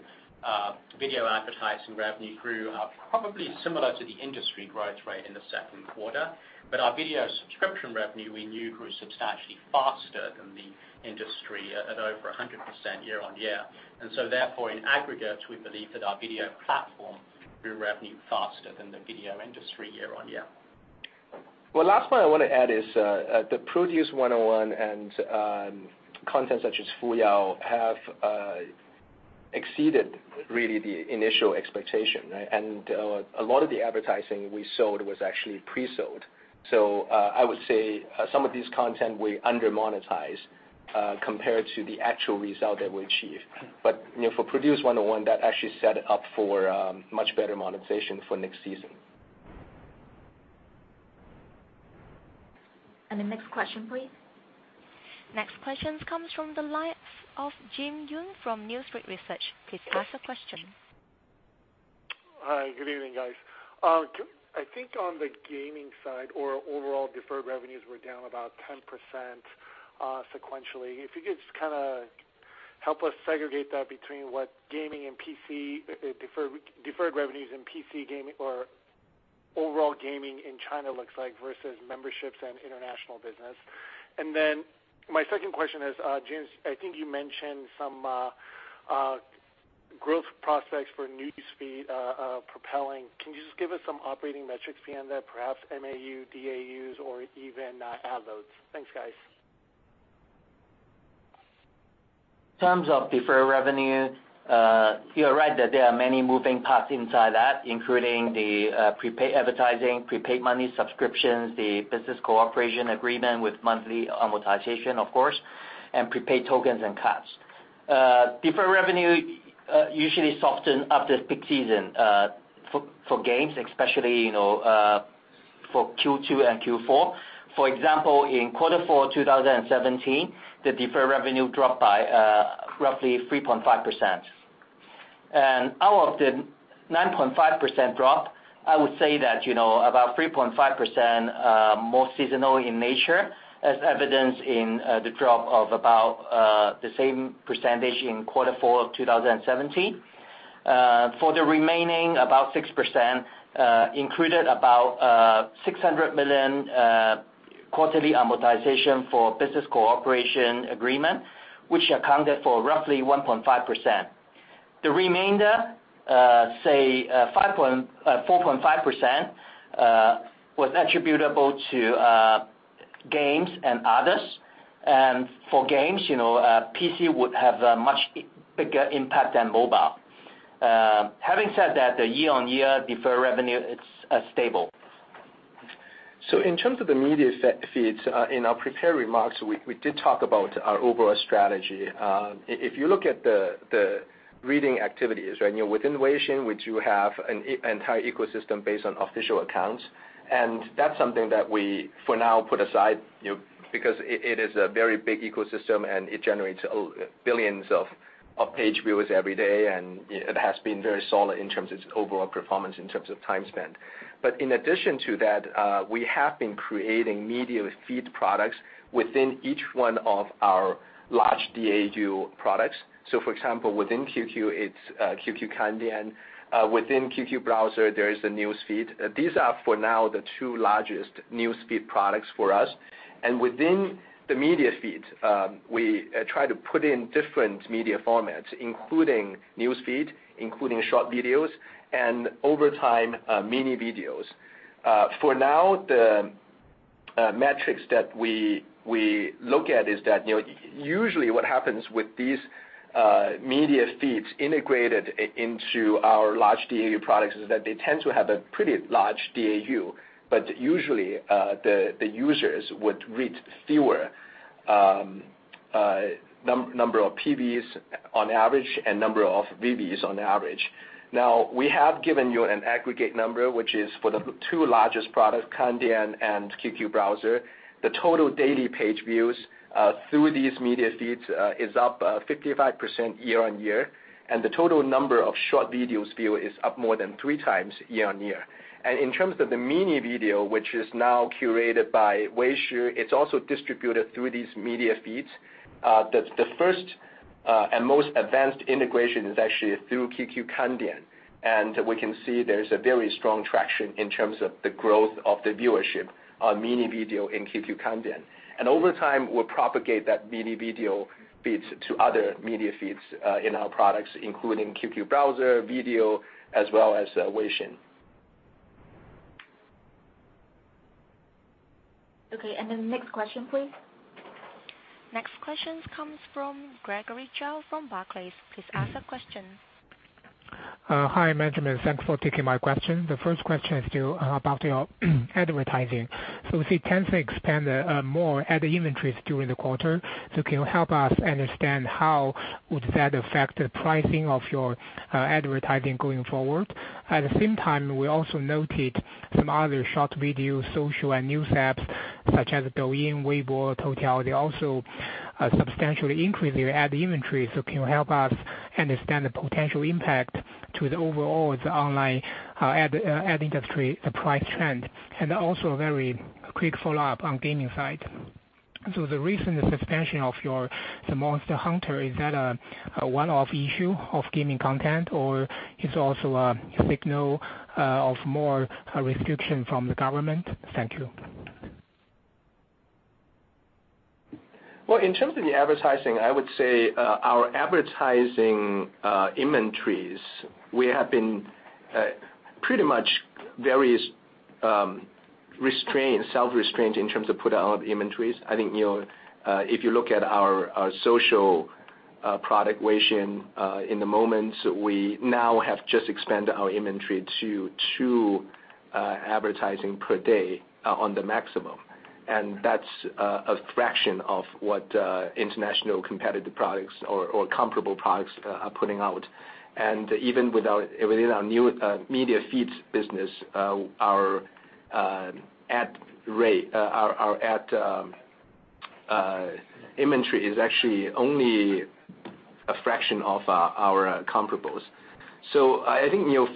Speaker 5: video advertising revenue grew probably similar to the industry growth rate in the second quarter. Our video subscription revenue, we knew grew substantially faster than the industry at over 100% year-on-year. Therefore, in aggregate, we believe that our video platform Your revenue faster than the video industry year-on-year.
Speaker 4: Well, last point I want to add is, the Produce 101 and content such as Fuyao have exceeded really the initial expectation, right? A lot of the advertising we sold was actually pre-sold. I would say some of these content we under-monetize compared to the actual result that we achieve. For Produce 101, that actually set up for much better monetization for next season.
Speaker 2: The next question, please.
Speaker 1: Next question comes from the line of Jin Yoon from New Street Research. Please ask the question.
Speaker 8: Hi, good evening, guys. I think on the gaming side or overall deferred revenues were down about 10% sequentially. If you could just kind of help us segregate that between what gaming and PC deferred revenues and PC gaming or overall gaming in China looks like versus memberships and international business. Then my second question is, James, I think you mentioned some growth prospects for newsfeed propelling. Can you just give us some operating metrics behind that, perhaps MAU, DAUs or even ad loads? Thanks, guys.
Speaker 6: In terms of deferred revenue, you are right that there are many moving parts inside that, including the prepaid advertising, prepaid money subscriptions, the business cooperation agreement with monthly amortization, of course, and prepaid tokens and cash. Deferred revenue usually soften after peak season for games, especially for Q2 and Q4. For example, in quarter four 2017, the deferred revenue dropped by roughly 3.5%. Out of the 9.5% drop, I would say that about 3.5% are more seasonal in nature, as evidenced in the drop of about the same percentage in quarter four of 2017. For the remaining about 6%, included about 600 million quarterly amortization for business cooperation agreement, which accounted for roughly 1.5%. The remainder, say 4.5%, was attributable to games and others. For games, PC would have a much bigger impact than mobile. Having said that, the year-on-year deferred revenue is stable.
Speaker 4: In terms of the media feeds, in our prepared remarks, we did talk about our overall strategy. If you look at the reading activities within Weixin, which you have an entire ecosystem based on official accounts. That's something that we, for now, put aside because it is a very big ecosystem, and it generates billions of page views every day, and it has been very solid in terms of its overall performance in terms of time spent. In addition to that, we have been creating media feed products within each one of our large DAU products. For example, within QQ, it's QQ Kan Dian. Within QQ Browser, there is the newsfeed. These are, for now, the two largest newsfeed products for us. Within the media feeds, we try to put in different media formats, including newsfeed, including short videos, and over time, mini videos. For now, the metrics that we look at is that usually what happens with these media feeds integrated into our large DAU products is that they tend to have a pretty large DAU, but usually, the users would read fewer number of PVs on average and number of VVs on average. Now we have given you an aggregate number, which is for the two largest products, Kan Dian and QQ Browser. The total daily page views through these media feeds is up 55% year-on-year, and the total number of short videos viewed is up more than three times year-on-year. In terms of the mini video, which is now curated by Weishi, it's also distributed through these media feeds. The first and most advanced integration is actually through QQ Kan Dian, we can see there is a very strong traction in terms of the growth of the viewership on mini video in QQ Kan Dian. Over time, we'll propagate that mini video feeds to other media feeds in our products, including QQ Browser, video, as well as Weixin.
Speaker 2: Okay. The next question, please.
Speaker 1: Next question comes from Gregory Zhao from Barclays. Please ask the question.
Speaker 9: Hi, management. Thanks for taking my question. The first question is about your advertising. We see Tencent expand more ad inventories during the quarter. Can you help us understand how would that affect the pricing of your advertising going forward? At the same time, we also noted some other short video, social, and news apps such as Douyin, Weibo, Toutiao. They also substantially increased their ad inventory. Can you help us understand the potential impact to the overall online ad industry, the price trend? Also a very quick follow-up on gaming side. The recent suspension of your Monster Hunter, is that a one-off issue of gaming content, or it's also a signal of more restriction from the government? Thank you.
Speaker 4: In terms of the advertising, I would say our advertising inventories, we have been pretty much very self-restrained in terms of putting out inventories. If you look at our social product Weixin, in the moment, we now have just expanded our inventory to two advertising per day on the maximum. That's a fraction of what international competitive products or comparable products are putting out. Even within our new media feeds business, our ad inventory is actually only a fraction of our comparables.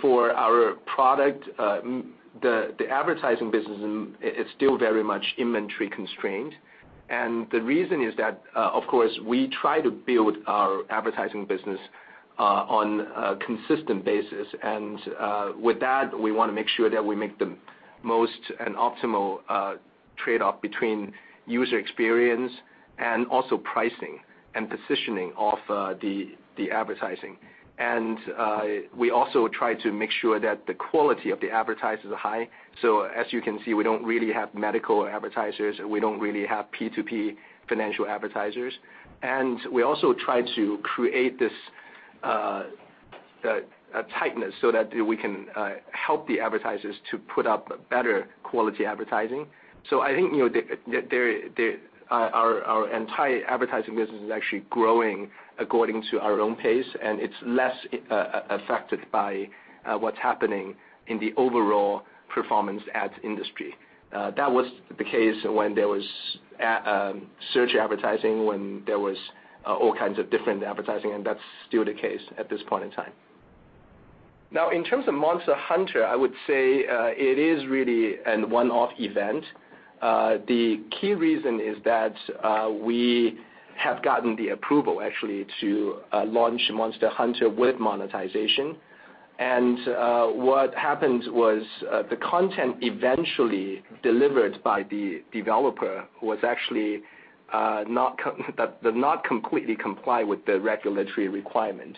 Speaker 4: For our product, the advertising business, it's still very much inventory constrained. The reason is that, of course, we try to build our advertising business on a consistent basis. With that, we want to make sure that we make the most and optimal trade-off between user experience and also pricing and positioning of the advertising. We also try to make sure that the quality of the advertisers are high. As you can see, we don't really have medical advertisers, we don't really have P2P financial advertisers. We also try to create this tightness so that we can help the advertisers to put up better quality advertising. Our entire advertising business is actually growing according to our own pace, and it's less affected by what's happening in the overall performance ad industry. That was the case when there was search advertising, when there was all kinds of different advertising, and that's still the case at this point in time. In terms of Monster Hunter, I would say it is really a one-off event. The key reason is that we have gotten the approval actually to launch Monster Hunter with monetization. What happened was, the content eventually delivered by the developer actually does not completely comply with the regulatory requirement.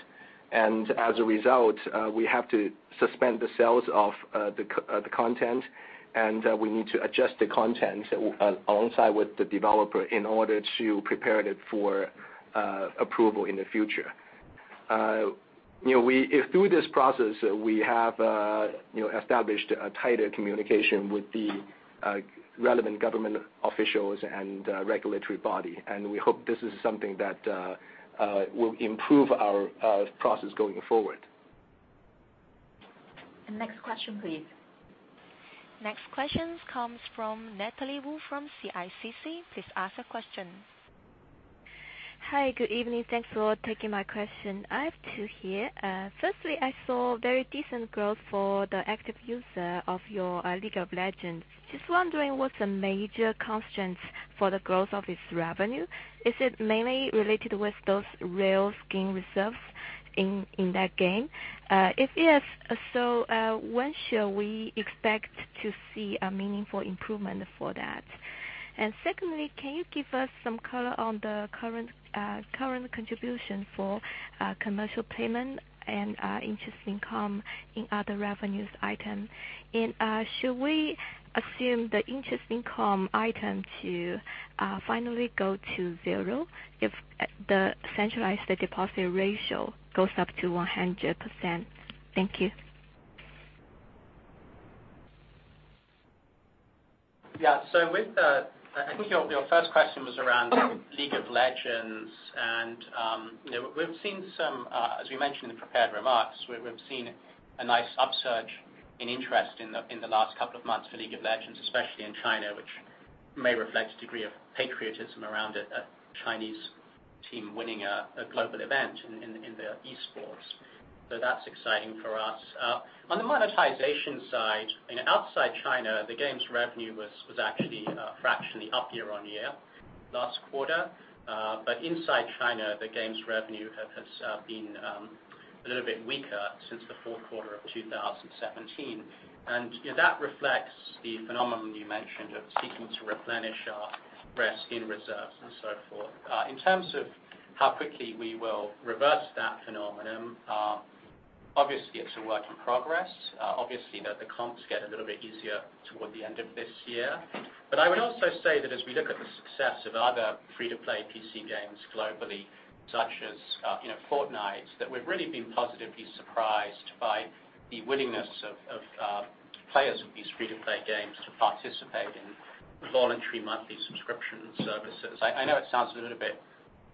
Speaker 4: As a result, we have to suspend the sales of the content, and we need to adjust the content alongside with the developer in order to prepare it for approval in the future. Through this process, we have established a tighter communication with the relevant government officials and regulatory body. We hope this is something that will improve our process going forward.
Speaker 2: The next question, please.
Speaker 1: Next question comes from Natalie Wu from CICC. Please ask a question.
Speaker 10: Hi. Good evening. Thanks for taking my question. I have two here. Firstly, I saw very decent growth for the active user of your League of Legends. Just wondering what's the major constraint for the growth of its revenue? Is it mainly related with those real skin reserves in that game? If yes, when shall we expect to see a meaningful improvement for that? Secondly, can you give us some color on the current contribution for commercial payment and interest income in other revenues item? Should we assume the interest income item to finally go to zero if the centralized deposit ratio goes up to 100%? Thank you.
Speaker 5: Yeah. I think your first question was around League of Legends. As we mentioned in prepared remarks, we've seen a nice upsurge in interest in the last couple of months for League of Legends, especially in China, which may reflect a degree of patriotism around a Chinese team winning a global event in the esports. That's exciting for us. On the monetization side, outside China, the game's revenue was actually fractionally up year-on-year last quarter. Inside China, the game's revenue has been a little bit weaker since the fourth quarter of 2017. That reflects the phenomenon you mentioned of seeking to replenish our skin reserves and so forth. In terms of how quickly we will reverse that phenomenon, obviously it's a work in progress. Obviously, the comps get a little bit easier toward the end of this year. I would also say that as we look at the success of other free-to-play PC games globally, such as Fortnite, that we've really been positively surprised by the willingness of players of these free-to-play games to participate in voluntary monthly subscription services. I know it sounds a little bit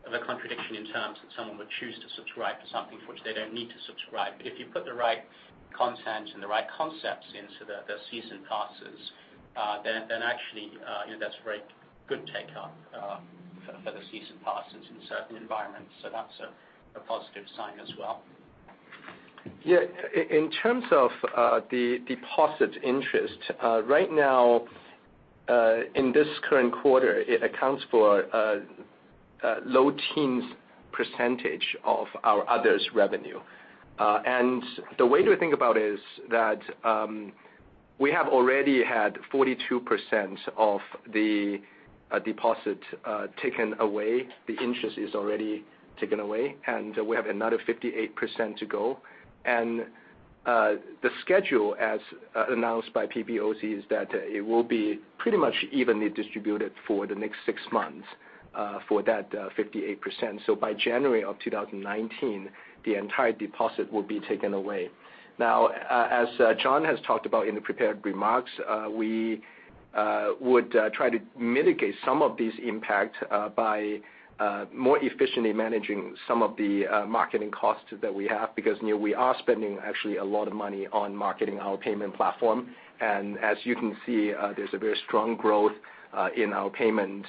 Speaker 5: of a contradiction in terms that someone would choose to subscribe to something for which they don't need to subscribe. If you put the right content and the right concepts into the season passes, then actually, that's a very good take-up for the season passes in certain environments. That's a positive sign as well.
Speaker 4: In terms of the deposit interest, right now, in this current quarter, it accounts for low teens percentage of our others revenue. The way to think about it is that we have already had 42% of the deposit taken away. The interest is already taken away, and we have another 58% to go. The schedule, as announced by PBOC, is that it will be pretty much evenly distributed for the next six months for that 58%. By January 2019, the entire deposit will be taken away. As John has talked about in the prepared remarks, we would try to mitigate some of these impact by more efficiently managing some of the marketing costs that we have, because we are spending actually a lot of money on marketing our payment platform. As you can see, there's a very strong growth in our payment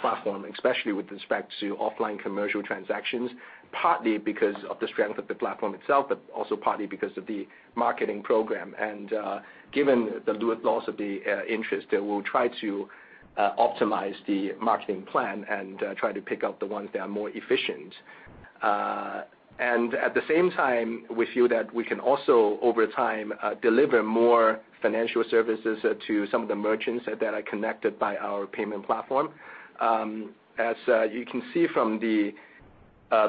Speaker 4: platform, especially with respect to offline commercial transactions, partly because of the strength of the platform itself, but also partly because of the marketing program. Given the loss of the interest, we will try to optimize the marketing plan and try to pick out the ones that are more efficient. At the same time, we feel that we can also, over time, deliver more financial services to some of the merchants that are connected by our payment platform. As you can see from the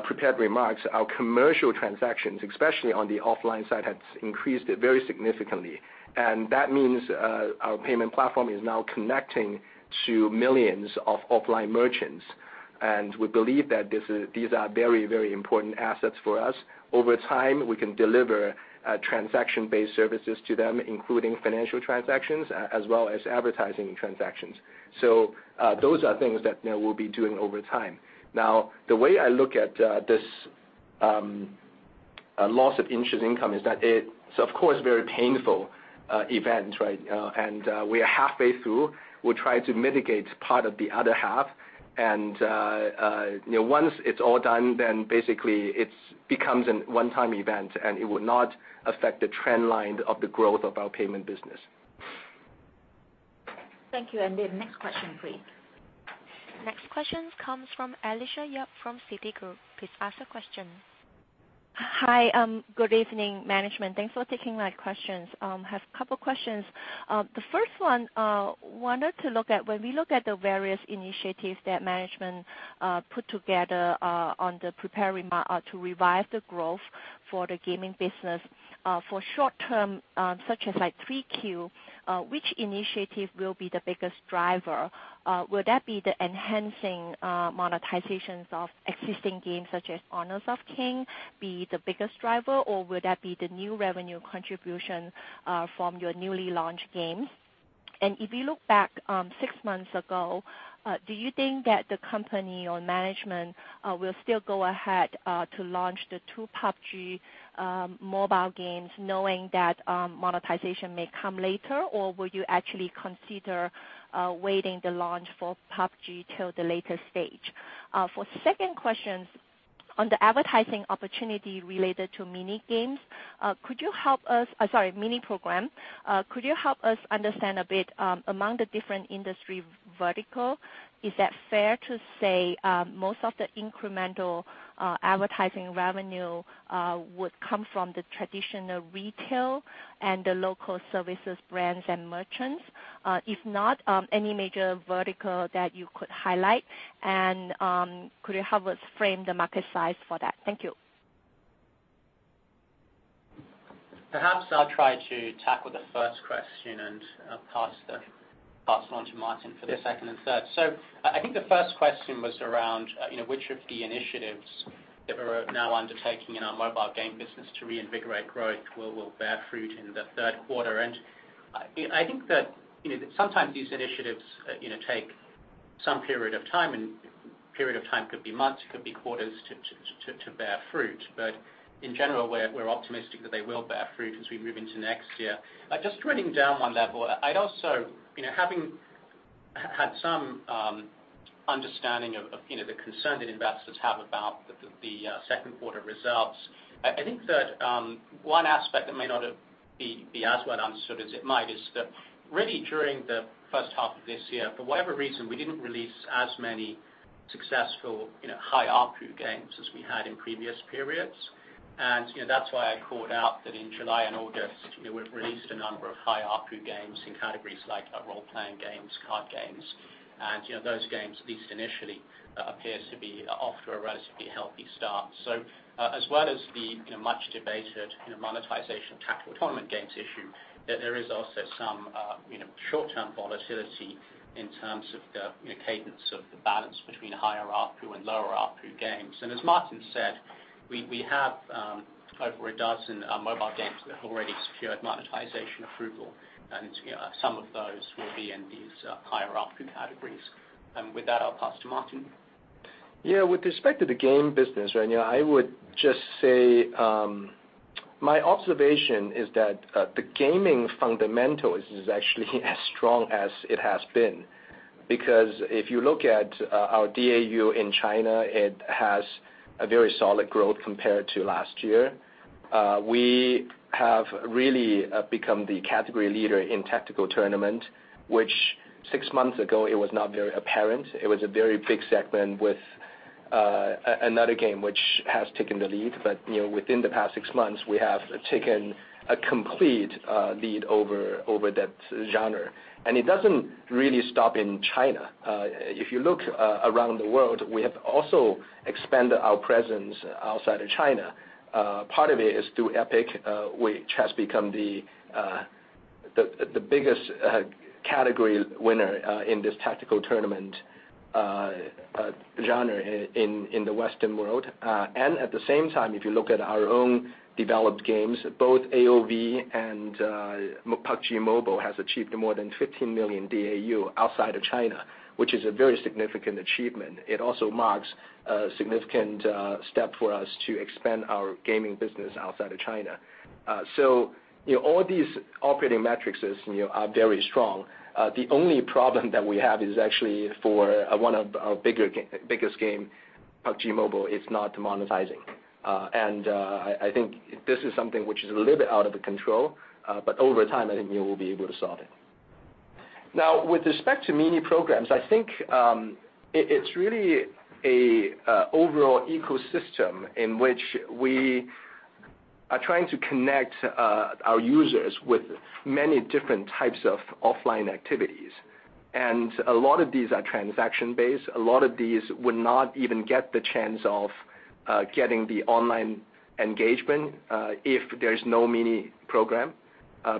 Speaker 4: prepared remarks, our commercial transactions, especially on the offline side, has increased very significantly. That means our payment platform is now connecting to millions of offline merchants. We believe that these are very important assets for us. Over time, we can deliver transaction-based services to them, including financial transactions as well as advertising transactions. Those are things that we'll be doing over time. The way I look at this loss of interest income is that it's of course, a very painful event, right? We are halfway through. We'll try to mitigate part of the other half. Once it's all done, then basically it becomes a one-time event, and it will not affect the trend line of the growth of our payment business.
Speaker 2: Thank you. The next question, please.
Speaker 1: Next question comes from Alicia Yap from Citigroup. Please ask the question.
Speaker 11: Hi. Good evening, management. Thanks for taking my questions. I have a couple questions. The first one, wanted to look at when we look at the various initiatives that management put together to revive the growth for the gaming business. For short term, such as 3Q, which initiative will be the biggest driver? Will that be the enhancing monetizations of existing games, such as 'Honor of Kings' be the biggest driver, or will that be the new revenue contribution from your newly launched games? If you look back six months ago, do you think that the company or management will still go ahead to launch the two 'PUBG' mobile games, knowing that monetization may come later, or will you actually consider waiting the launch for 'PUBG' till the later stage? For second question, on the advertising opportunity related to Mini Games, could you help us, sorry, Mini Programs. Could you help us understand a bit among the different industry vertical, is that fair to say most of the incremental advertising revenue would come from the traditional retail and the local services brands and merchants? If not, any major vertical that you could highlight, and could you help us frame the market size for that? Thank you.
Speaker 5: Perhaps I'll try to tackle the first question and pass on to Martin for the second and third. I think the first question was around which of the initiatives that we're now undertaking in our mobile game business to reinvigorate growth will bear fruit in the third quarter. I think that sometimes these initiatives take some period of time, and period of time could be months, could be quarters, to bear fruit. In general, we're optimistic that they will bear fruit as we move into next year. Just drilling down 1 level, I'd also, having had some understanding of the concern that investors have about the second quarter results, I think that one aspect that may not have been as well understood as it might is that really during the first half of this year, for whatever reason, we didn't release as many successful high ARPU games as we had in previous periods. That's why I called out that in July and August, we've released a number of high ARPU games in categories like role-playing games, card games, and those games, at least initially, appears to be off to a relatively healthy start. As well as the much-debated monetization tactical tournament games issue, there is also some short-term volatility in terms of the cadence of the balance between higher ARPU and lower ARPU games. As Martin said, we have over a dozen mobile games that have already secured monetization approval, and some of those will be in these higher ARPU categories. With that, I'll pass to Martin.
Speaker 4: With respect to the game business, I would just say, my observation is that the gaming fundamentals is actually as strong as it has been. If you look at our DAU in China, it has a very solid growth compared to last year. We have really become the category leader in tactical tournament, which 6 months ago it was not very apparent. It was a very big segment with Another game which has taken the lead. Within the past 6 months, we have taken a complete lead over that genre. It doesn't really stop in China. If you look around the world, we have also expanded our presence outside of China. Part of it is through Epic, which has become the biggest category winner in this tactical tournament genre in the Western world. At the same time, if you look at our own developed games, both AOV and PUBG Mobile has achieved more than 15 million DAU outside of China, which is a very significant achievement. It also marks a significant step for us to expand our gaming business outside of China. All these operating metrics are very strong. The only problem that we have is actually for one of our biggest game, PUBG Mobile. It's not monetizing. I think this is something which is a little bit out of the control. Over time, I think we will be able to solve it. With respect to Mini Programs, I think it's really a overall ecosystem in which we are trying to connect our users with many different types of offline activities. A lot of these are transaction-based. A lot of these would not even get the chance of getting the online engagement if there's no Mini Program,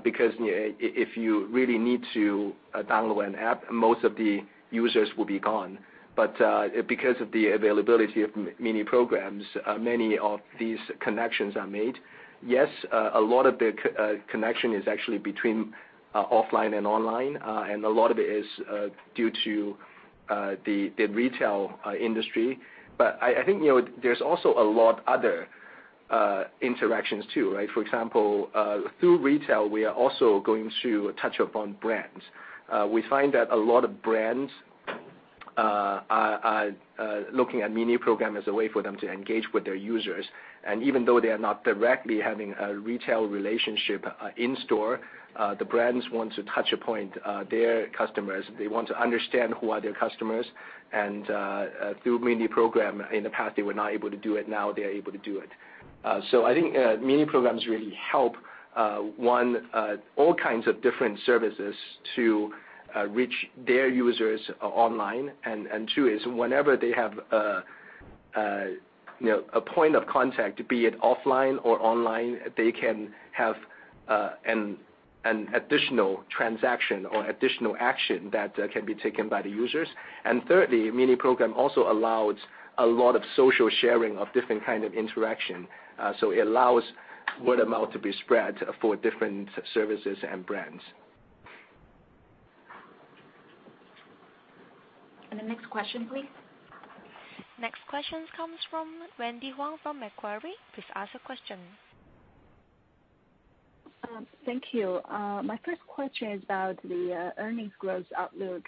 Speaker 4: because if you really need to download an app, most of the users will be gone. Because of the availability of Mini Programs, many of these connections are made. Yes, a lot of the connection is actually between offline and online. A lot of it is due to the retail industry. I think there's also a lot other interactions too. For example, through retail, we are also going to touch upon brands. We find that a lot of brands are looking at Mini Program as a way for them to engage with their users. Even though they are not directly having a retail relationship in-store, the brands want to touch a point their customers. They want to understand who are their customers, through Mini Program, in the past, they were not able to do it. Now they are able to do it. I think Mini Programs really help, one, all kinds of different services to reach their users online. Two is whenever they have a point of contact, be it offline or online, they can have an additional transaction or additional action that can be taken by the users. Thirdly, Mini Program also allows a lot of social sharing of different kind of interaction. It allows word-of-mouth to be spread for different services and brands.
Speaker 2: The next question, please.
Speaker 1: Next question comes from Wendy Huang from Macquarie. Please ask the question.
Speaker 12: Thank you. My first question is about the earnings growth outlook.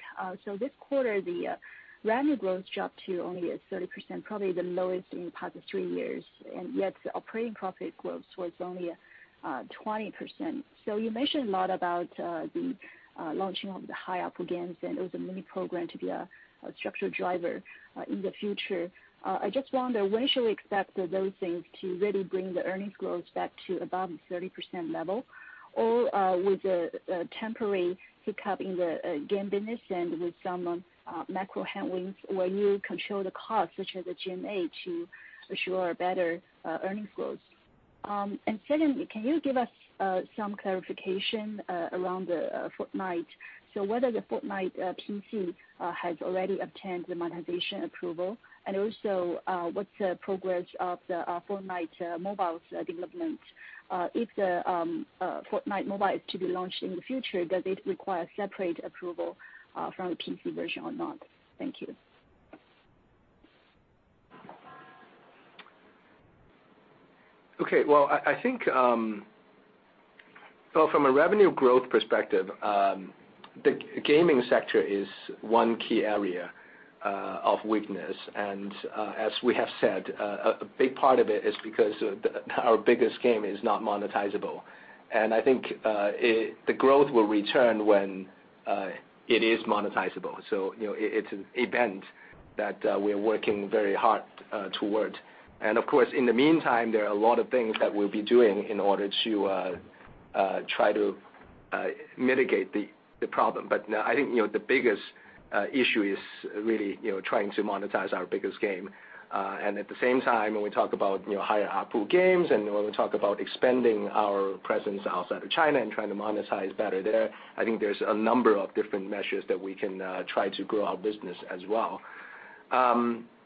Speaker 12: This quarter, the revenue growth dropped to only 30%, probably the lowest in the past three years, yet the operating profit growth was only 20%. You mentioned a lot about the launching of the higher ARPU games and also Mini Program to be a structural driver in the future. I just wonder when should we expect those things to really bring the earnings growth back to above the 30% level? With the temporary hiccup in the game business and with some macro headwinds, will you control the cost, such as the G&A, to assure better earnings growth? Secondly, can you give us some clarification around the Fortnite? Whether the Fortnite PC has already obtained the monetization approval, and also what's the progress of the Fortnite mobile's development? If the Fortnite mobile is to be launched in the future, does it require separate approval from the PC version or not? Thank you.
Speaker 4: I think from a revenue growth perspective, the gaming sector is one key area of weakness. As we have said, a big part of it is because our biggest game is not monetizable. I think the growth will return when it is monetizable. It's an event that we are working very hard towards. Of course, in the meantime, there are a lot of things that we'll be doing in order to try to mitigate the problem. I think the biggest issue is really trying to monetize our biggest game. At the same time, when we talk about higher ARPU games and when we talk about expanding our presence outside of China and trying to monetize better there, I think there's a number of different measures that we can try to grow our business as well.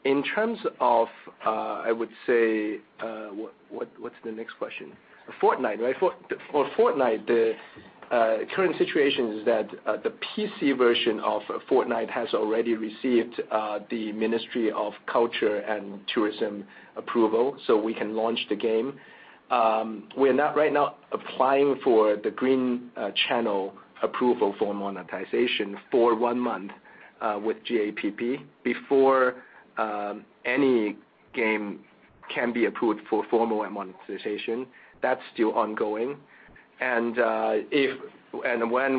Speaker 4: In terms of, I would say, what's the next question? Fortnite, right? For Fortnite, the current situation is that the PC version of Fortnite has already received the Ministry of Culture and Tourism approval, so we can launch the game. We are right now applying for the green channel approval for monetization for one month with GAPP. Before any game can be approved for formal monetization. That's still ongoing. When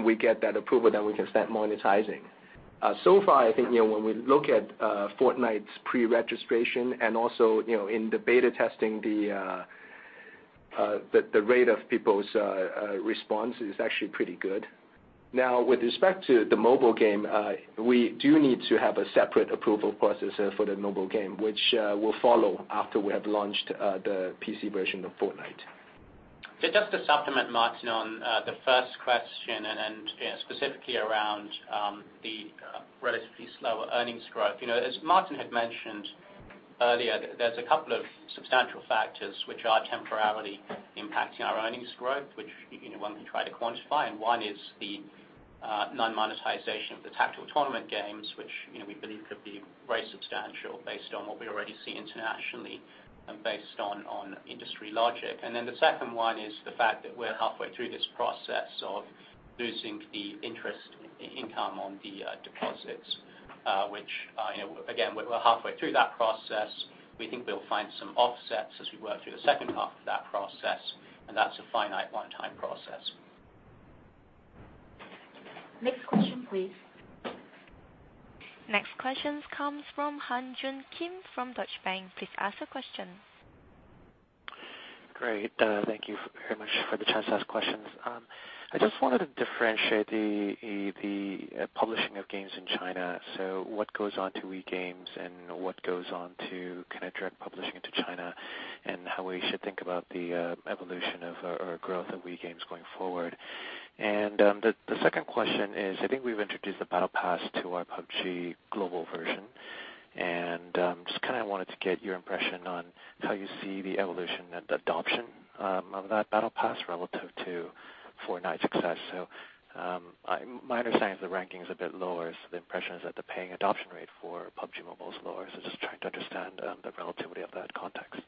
Speaker 4: we get that approval, then we can start monetizing. So far, I think when we look at Fortnite's pre-registration and also in the beta testing, the rate of people's response is actually pretty good. Now, with respect to the mobile game, we do need to have a separate approval process for the mobile game, which will follow after we have launched the PC version of Fortnite.
Speaker 5: Just to supplement Martin on the first question, specifically around the relatively slower earnings growth. As Martin had mentioned earlier, there's a couple of substantial factors which are temporarily impacting our earnings growth, which one can try to quantify. One is the non-monetization of the tactical tournament games, which we believe could be very substantial based on what we already see internationally and based on industry logic. Then the second one is the fact that we're halfway through this process of losing the interest income on the deposits, which again, we're halfway through that process. We think we'll find some offsets as we work through the second half of that process, and that's a finite one-time process.
Speaker 2: Next question, please.
Speaker 1: Next question comes from Han Joon Kim from Deutsche Bank. Please ask the question.
Speaker 13: Great. Thank you very much for the chance to ask questions. I just wanted to differentiate the publishing of games in China. What goes on to WeGame and what goes on to kind of direct publishing into China, and how we should think about the evolution of our growth of WeGame going forward. The second question is, I think we've introduced the Battle Pass to our PUBG global version, and just kind of wanted to get your impression on how you see the evolution and adoption of that Battle Pass relative to Fortnite's success. My understanding is the ranking is a bit lower, the impression is that the paying adoption rate for PUBG Mobile is lower. Just trying to understand the relativity of that context.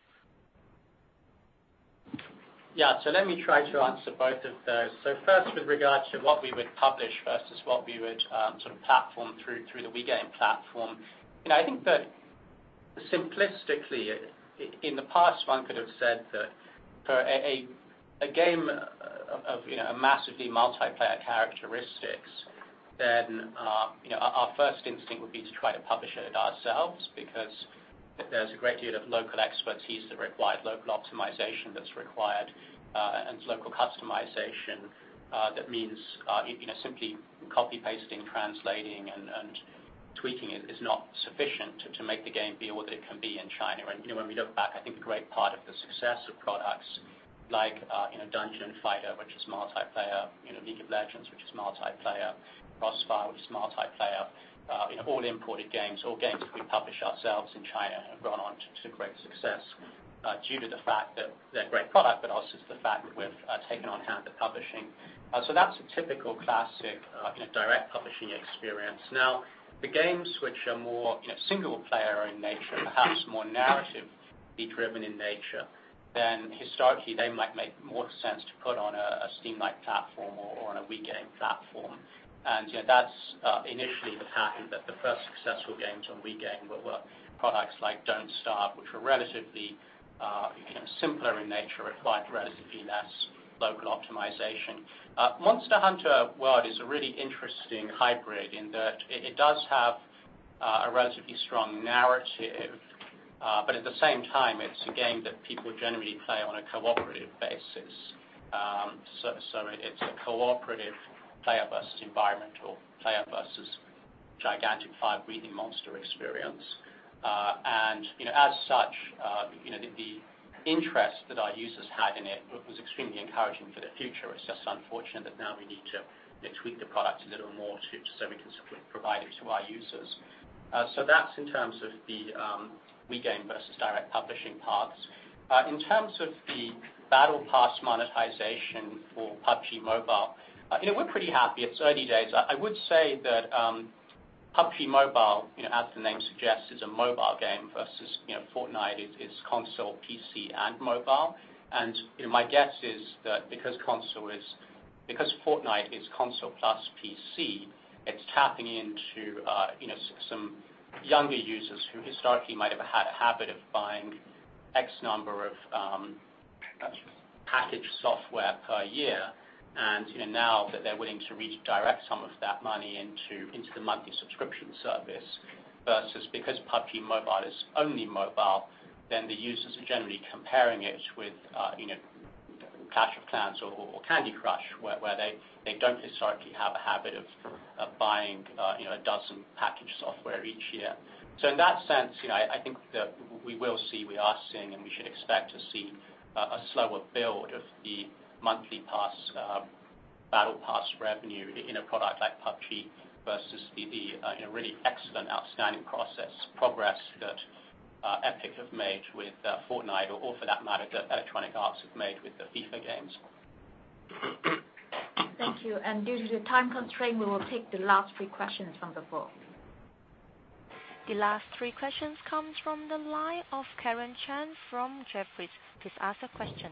Speaker 5: Let me try to answer both of those. First, with regard to what we would publish versus what we would sort of platform through the WeGame platform. I think that simplistically, in the past, one could have said that for a game of massively multiplayer characteristics, our first instinct would be to try to publish it ourselves, because there's a great deal of local expertise that's required, local optimization that's required, and local customization. That means simply copy-pasting, translating, and tweaking it is not sufficient to make the game be all that it can be in China. When we look back, I think a great part of the success of products like Dungeon & Fighter, which is multiplayer, League of Legends, which is multiplayer, CrossFire, which is multiplayer, all imported games, all games that we publish ourselves in China have gone on to great success due to the fact that they're a great product, but also the fact that we've taken on hand the publishing. That's a typical classic direct publishing experience. The games which are more single-player in nature, perhaps more narrative-driven in nature, historically, they might make more sense to put on a Steam-like platform or on a WeGame platform. That's initially what happened, that the first successful games on WeGame were products like Don't Starve, which were relatively simpler in nature, required relatively less local optimization. Monster Hunter: World is a really interesting hybrid in that it does have a relatively strong narrative, but at the same time, it's a game that people generally play on a cooperative basis. It's a cooperative player versus environmental, player versus gigantic fire-breathing monster experience. As such, the interest that our users had in it was extremely encouraging for the future. It's just unfortunate that now we need to tweak the product a little more so we can provide it to our users. That's in terms of the WeGame versus direct publishing paths. In terms of the Battle Pass monetization for PUBG Mobile, we're pretty happy. It's early days. I would say that PUBG Mobile, as the name suggests, is a mobile game versus Fortnite is console, PC, and mobile. My guess is that because Fortnite is console plus PC, it's tapping into some younger users who historically might have had a habit of buying X number of packaged software per year. Now that they're willing to redirect some of that money into the monthly subscription service, versus because PUBG Mobile is only mobile, then the users are generally comparing it with Clash of Clans or Candy Crush, where they don't historically have a habit of buying a dozen packaged software each year. In that sense, I think that we will see, we are seeing, and we should expect to see a slower build of the monthly pass, Battle Pass revenue in a product like PUBG versus the really excellent outstanding progress that Epic have made with Fortnite or for that matter, that Electronic Arts have made with the FIFA games.
Speaker 2: Thank you. Due to the time constraint, we will take the last three questions from the floor.
Speaker 1: The last three questions comes from the line of Karen Chan from Jefferies. Please ask the question.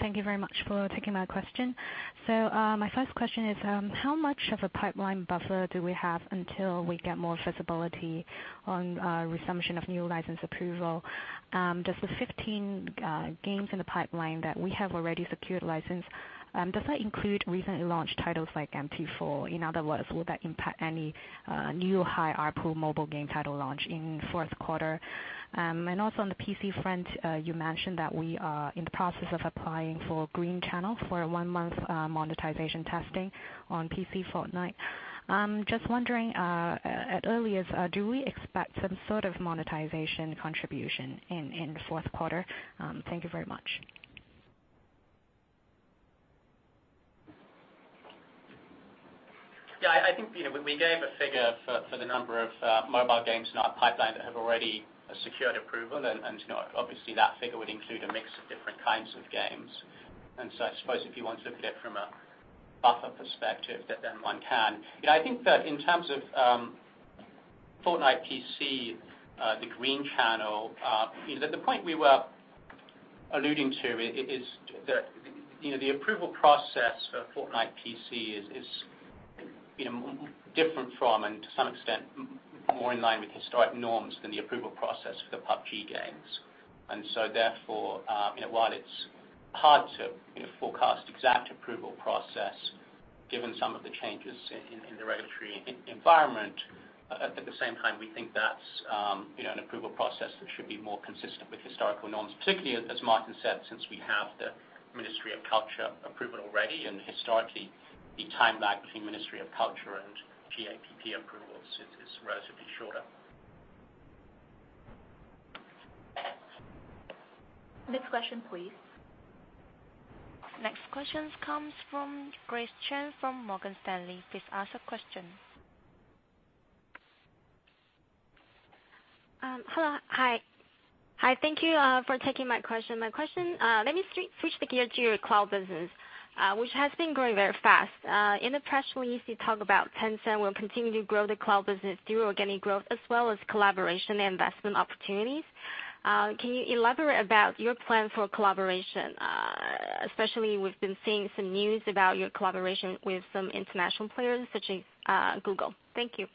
Speaker 14: Thank you very much for taking my question. My first question is, how much of a pipeline buffer do we have until we get more visibility on resumption of new license approval? Does the 15 games in the pipeline that we have already secured license, does that include recently launched titles like MT4? In other words, will that impact any new high ARPU mobile game title launch in the fourth quarter? Also on the PC front, you mentioned that we are in the process of applying for green channel for one month monetization testing on PC Fortnite. Just wondering, at earliest, do we expect some sort of monetization contribution in fourth quarter? Thank you very much.
Speaker 5: We gave a figure for the number of mobile games in our pipeline that have already secured approval. Obviously that figure would include a mix of different kinds of games. I suppose if you want to look at it from a buffer perspective, then one can. In terms of Fortnite PC, the green channel, the point we were alluding to is that the approval process for Fortnite PC is different from, and to some extent, more in line with historic norms than the approval process for the PUBG games. While it's hard to forecast exact approval process, given some of the changes in the regulatory environment, at the same time, we think that's an approval process that should be more consistent with historical norms. Particularly as Martin said, since we have the Ministry of Culture approval already, historically the time lag between Ministry of Culture and GAPP approvals is relatively shorter.
Speaker 2: Next question, please.
Speaker 1: Next questions comes from Grace Chen from Morgan Stanley. Please ask a question.
Speaker 15: Hello. Hi. Thank you for taking my question. My question, let me switch the gear to your cloud business, which has been growing very fast. In the press release, you talk about Tencent will continue to grow the cloud business through organic growth as well as collaboration and investment opportunities. Can you elaborate about your plan for collaboration? Especially, we've been seeing some news about your collaboration with some international players such as Google. Thank you.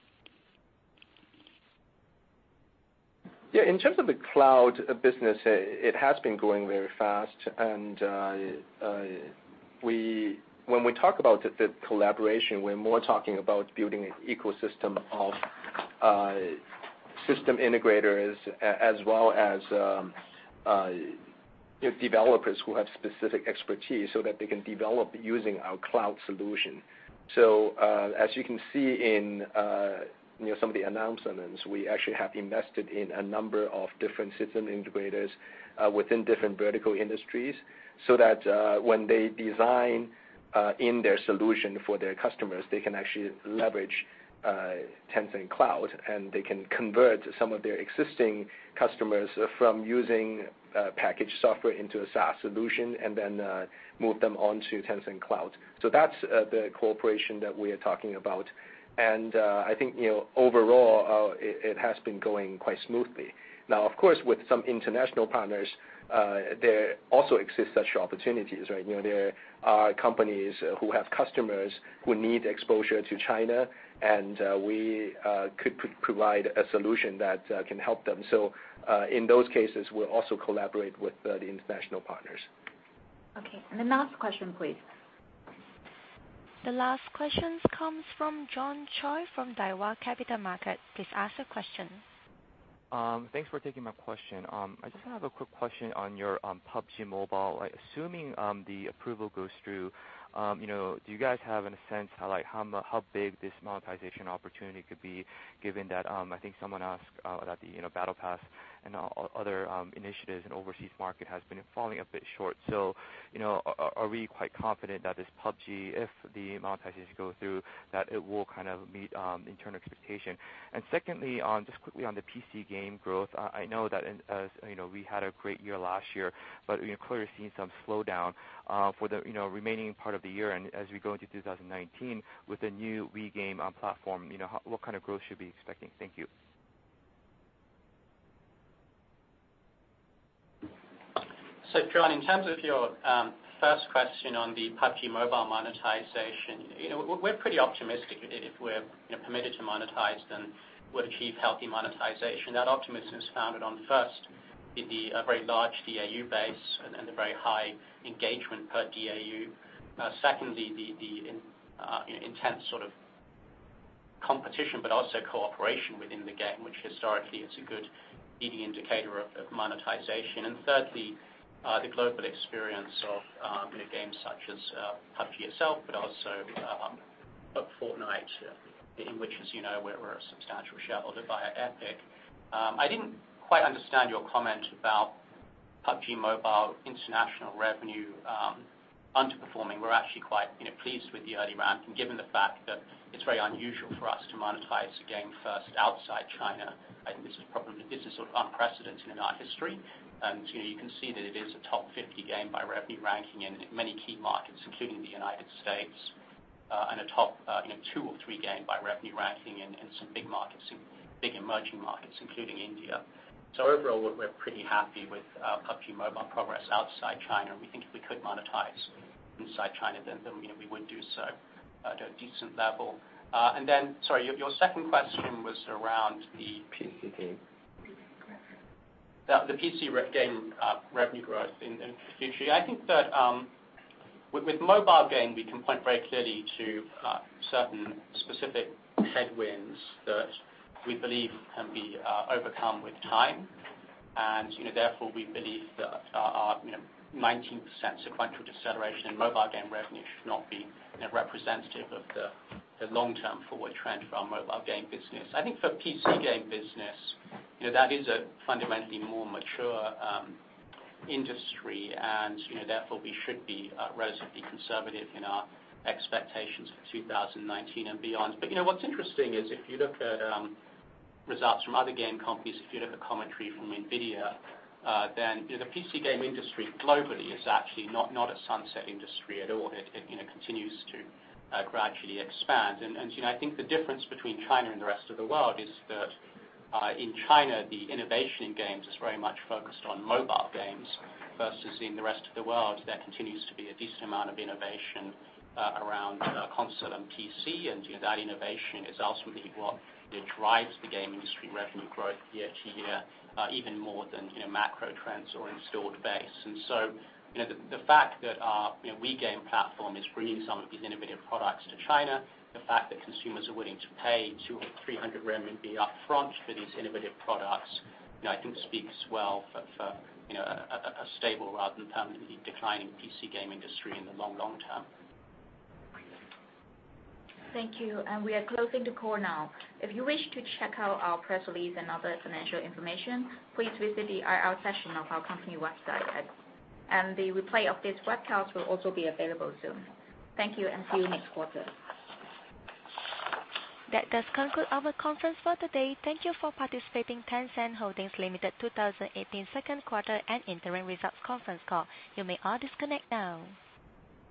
Speaker 4: Yeah. In terms of the cloud business, it has been growing very fast. When we talk about the collaboration, we're more talking about building an ecosystem of system integrators as well as developers who have specific expertise so that they can develop using our cloud solution. As you can see in some of the announcements, we actually have invested in a number of different system integrators within different vertical industries, so that when they design in their solution for their customers, they can actually leverage Tencent Cloud, and they can convert some of their existing customers from using packaged software into a SaaS solution, and then move them onto Tencent Cloud. That's the cooperation that we are talking about. I think, overall, it has been going quite smoothly. Now, of course, with some international partners, there also exists such opportunities, right? There are companies who have customers who need exposure to China, and we could provide a solution that can help them. In those cases, we'll also collaborate with the international partners.
Speaker 2: Okay. The last question, please.
Speaker 1: The last questions comes from John Choi from Daiwa Capital Markets. Please ask a question.
Speaker 16: Thanks for taking my question. I just have a quick question on your PUBG Mobile. Assuming the approval goes through, do you guys have any sense how big this monetization opportunity could be, given that, I think someone asked about the Battle Pass and other initiatives in overseas market has been falling a bit short. Are we quite confident that this PUBG, if the monetization goes through, that it will kind of meet internal expectation? Secondly, just quickly on the PC game growth, I know that we had a great year last year, but we clearly are seeing some slowdown for the remaining part of the year and as we go into 2019 with the new WeGame platform, what kind of growth should we be expecting? Thank you.
Speaker 5: John, in terms of your first question on the PUBG Mobile monetization, we're pretty optimistic if we're permitted to monetize them, we'll achieve healthy monetization. That optimism is founded on first, the very large DAU base and the very high engagement per DAU. Secondly, the intense sort of competition, but also cooperation within the game, which historically is a good leading indicator of monetization. Thirdly, the global experience of games such as PUBG itself, but also Fortnite, in which, as you know, we're a substantial shareholder via Epic. I didn't quite understand your comment about PUBG Mobile international revenue underperforming. We're actually quite pleased with the early ramp, and given the fact that it's very unusual for us to monetize a game first outside China, I think this is probably unprecedented in our history. You can see that it is a top 50 game by revenue ranking in many key markets, including the United States. A top two or three game by revenue ranking in some big markets, big emerging markets, including India. Overall, we're pretty happy with PUBG Mobile progress outside China. We think if we could monetize inside China, then we would do so at a decent level. Sorry, your second question was around the-
Speaker 16: PC game Revenue growth
Speaker 5: The PC game revenue growth in future. I think that with mobile game, we can point very clearly to certain specific headwinds that we believe can be overcome with time. Therefore, we believe that our 19% sequential deceleration in mobile game revenue should not be representative of the long-term forward trend for our mobile game business. I think for PC game business, that is a fundamentally more mature industry. Therefore, we should be relatively conservative in our expectations for 2019 and beyond. What's interesting is if you look at results from other game companies, if you look at commentary from NVIDIA, then the PC game industry globally is actually not a sunset industry at all. It continues to gradually expand. I think the difference between China and the rest of the world is that in China, the innovation in games is very much focused on mobile games versus in the rest of the world, there continues to be a decent amount of innovation around console and PC. That innovation is ultimately what drives the game industry revenue growth year-to-year, even more than macro trends or installed base. So, the fact that our WeGame platform is bringing some of these innovative products to China, the fact that consumers are willing to pay 200 or 300 RMB upfront for these innovative products, I think speaks well for a stable rather than permanently declining PC game industry in the long, long term.
Speaker 2: Thank you. We are closing the call now. If you wish to check out our press release and other financial information, please visit the IR section of our company website at. The replay of this webcast will also be available soon. Thank you, and see you next quarter.
Speaker 1: That does conclude our conference for today. Thank you for participating Tencent Holdings Limited 2018 second quarter and interim results conference call. You may all disconnect now.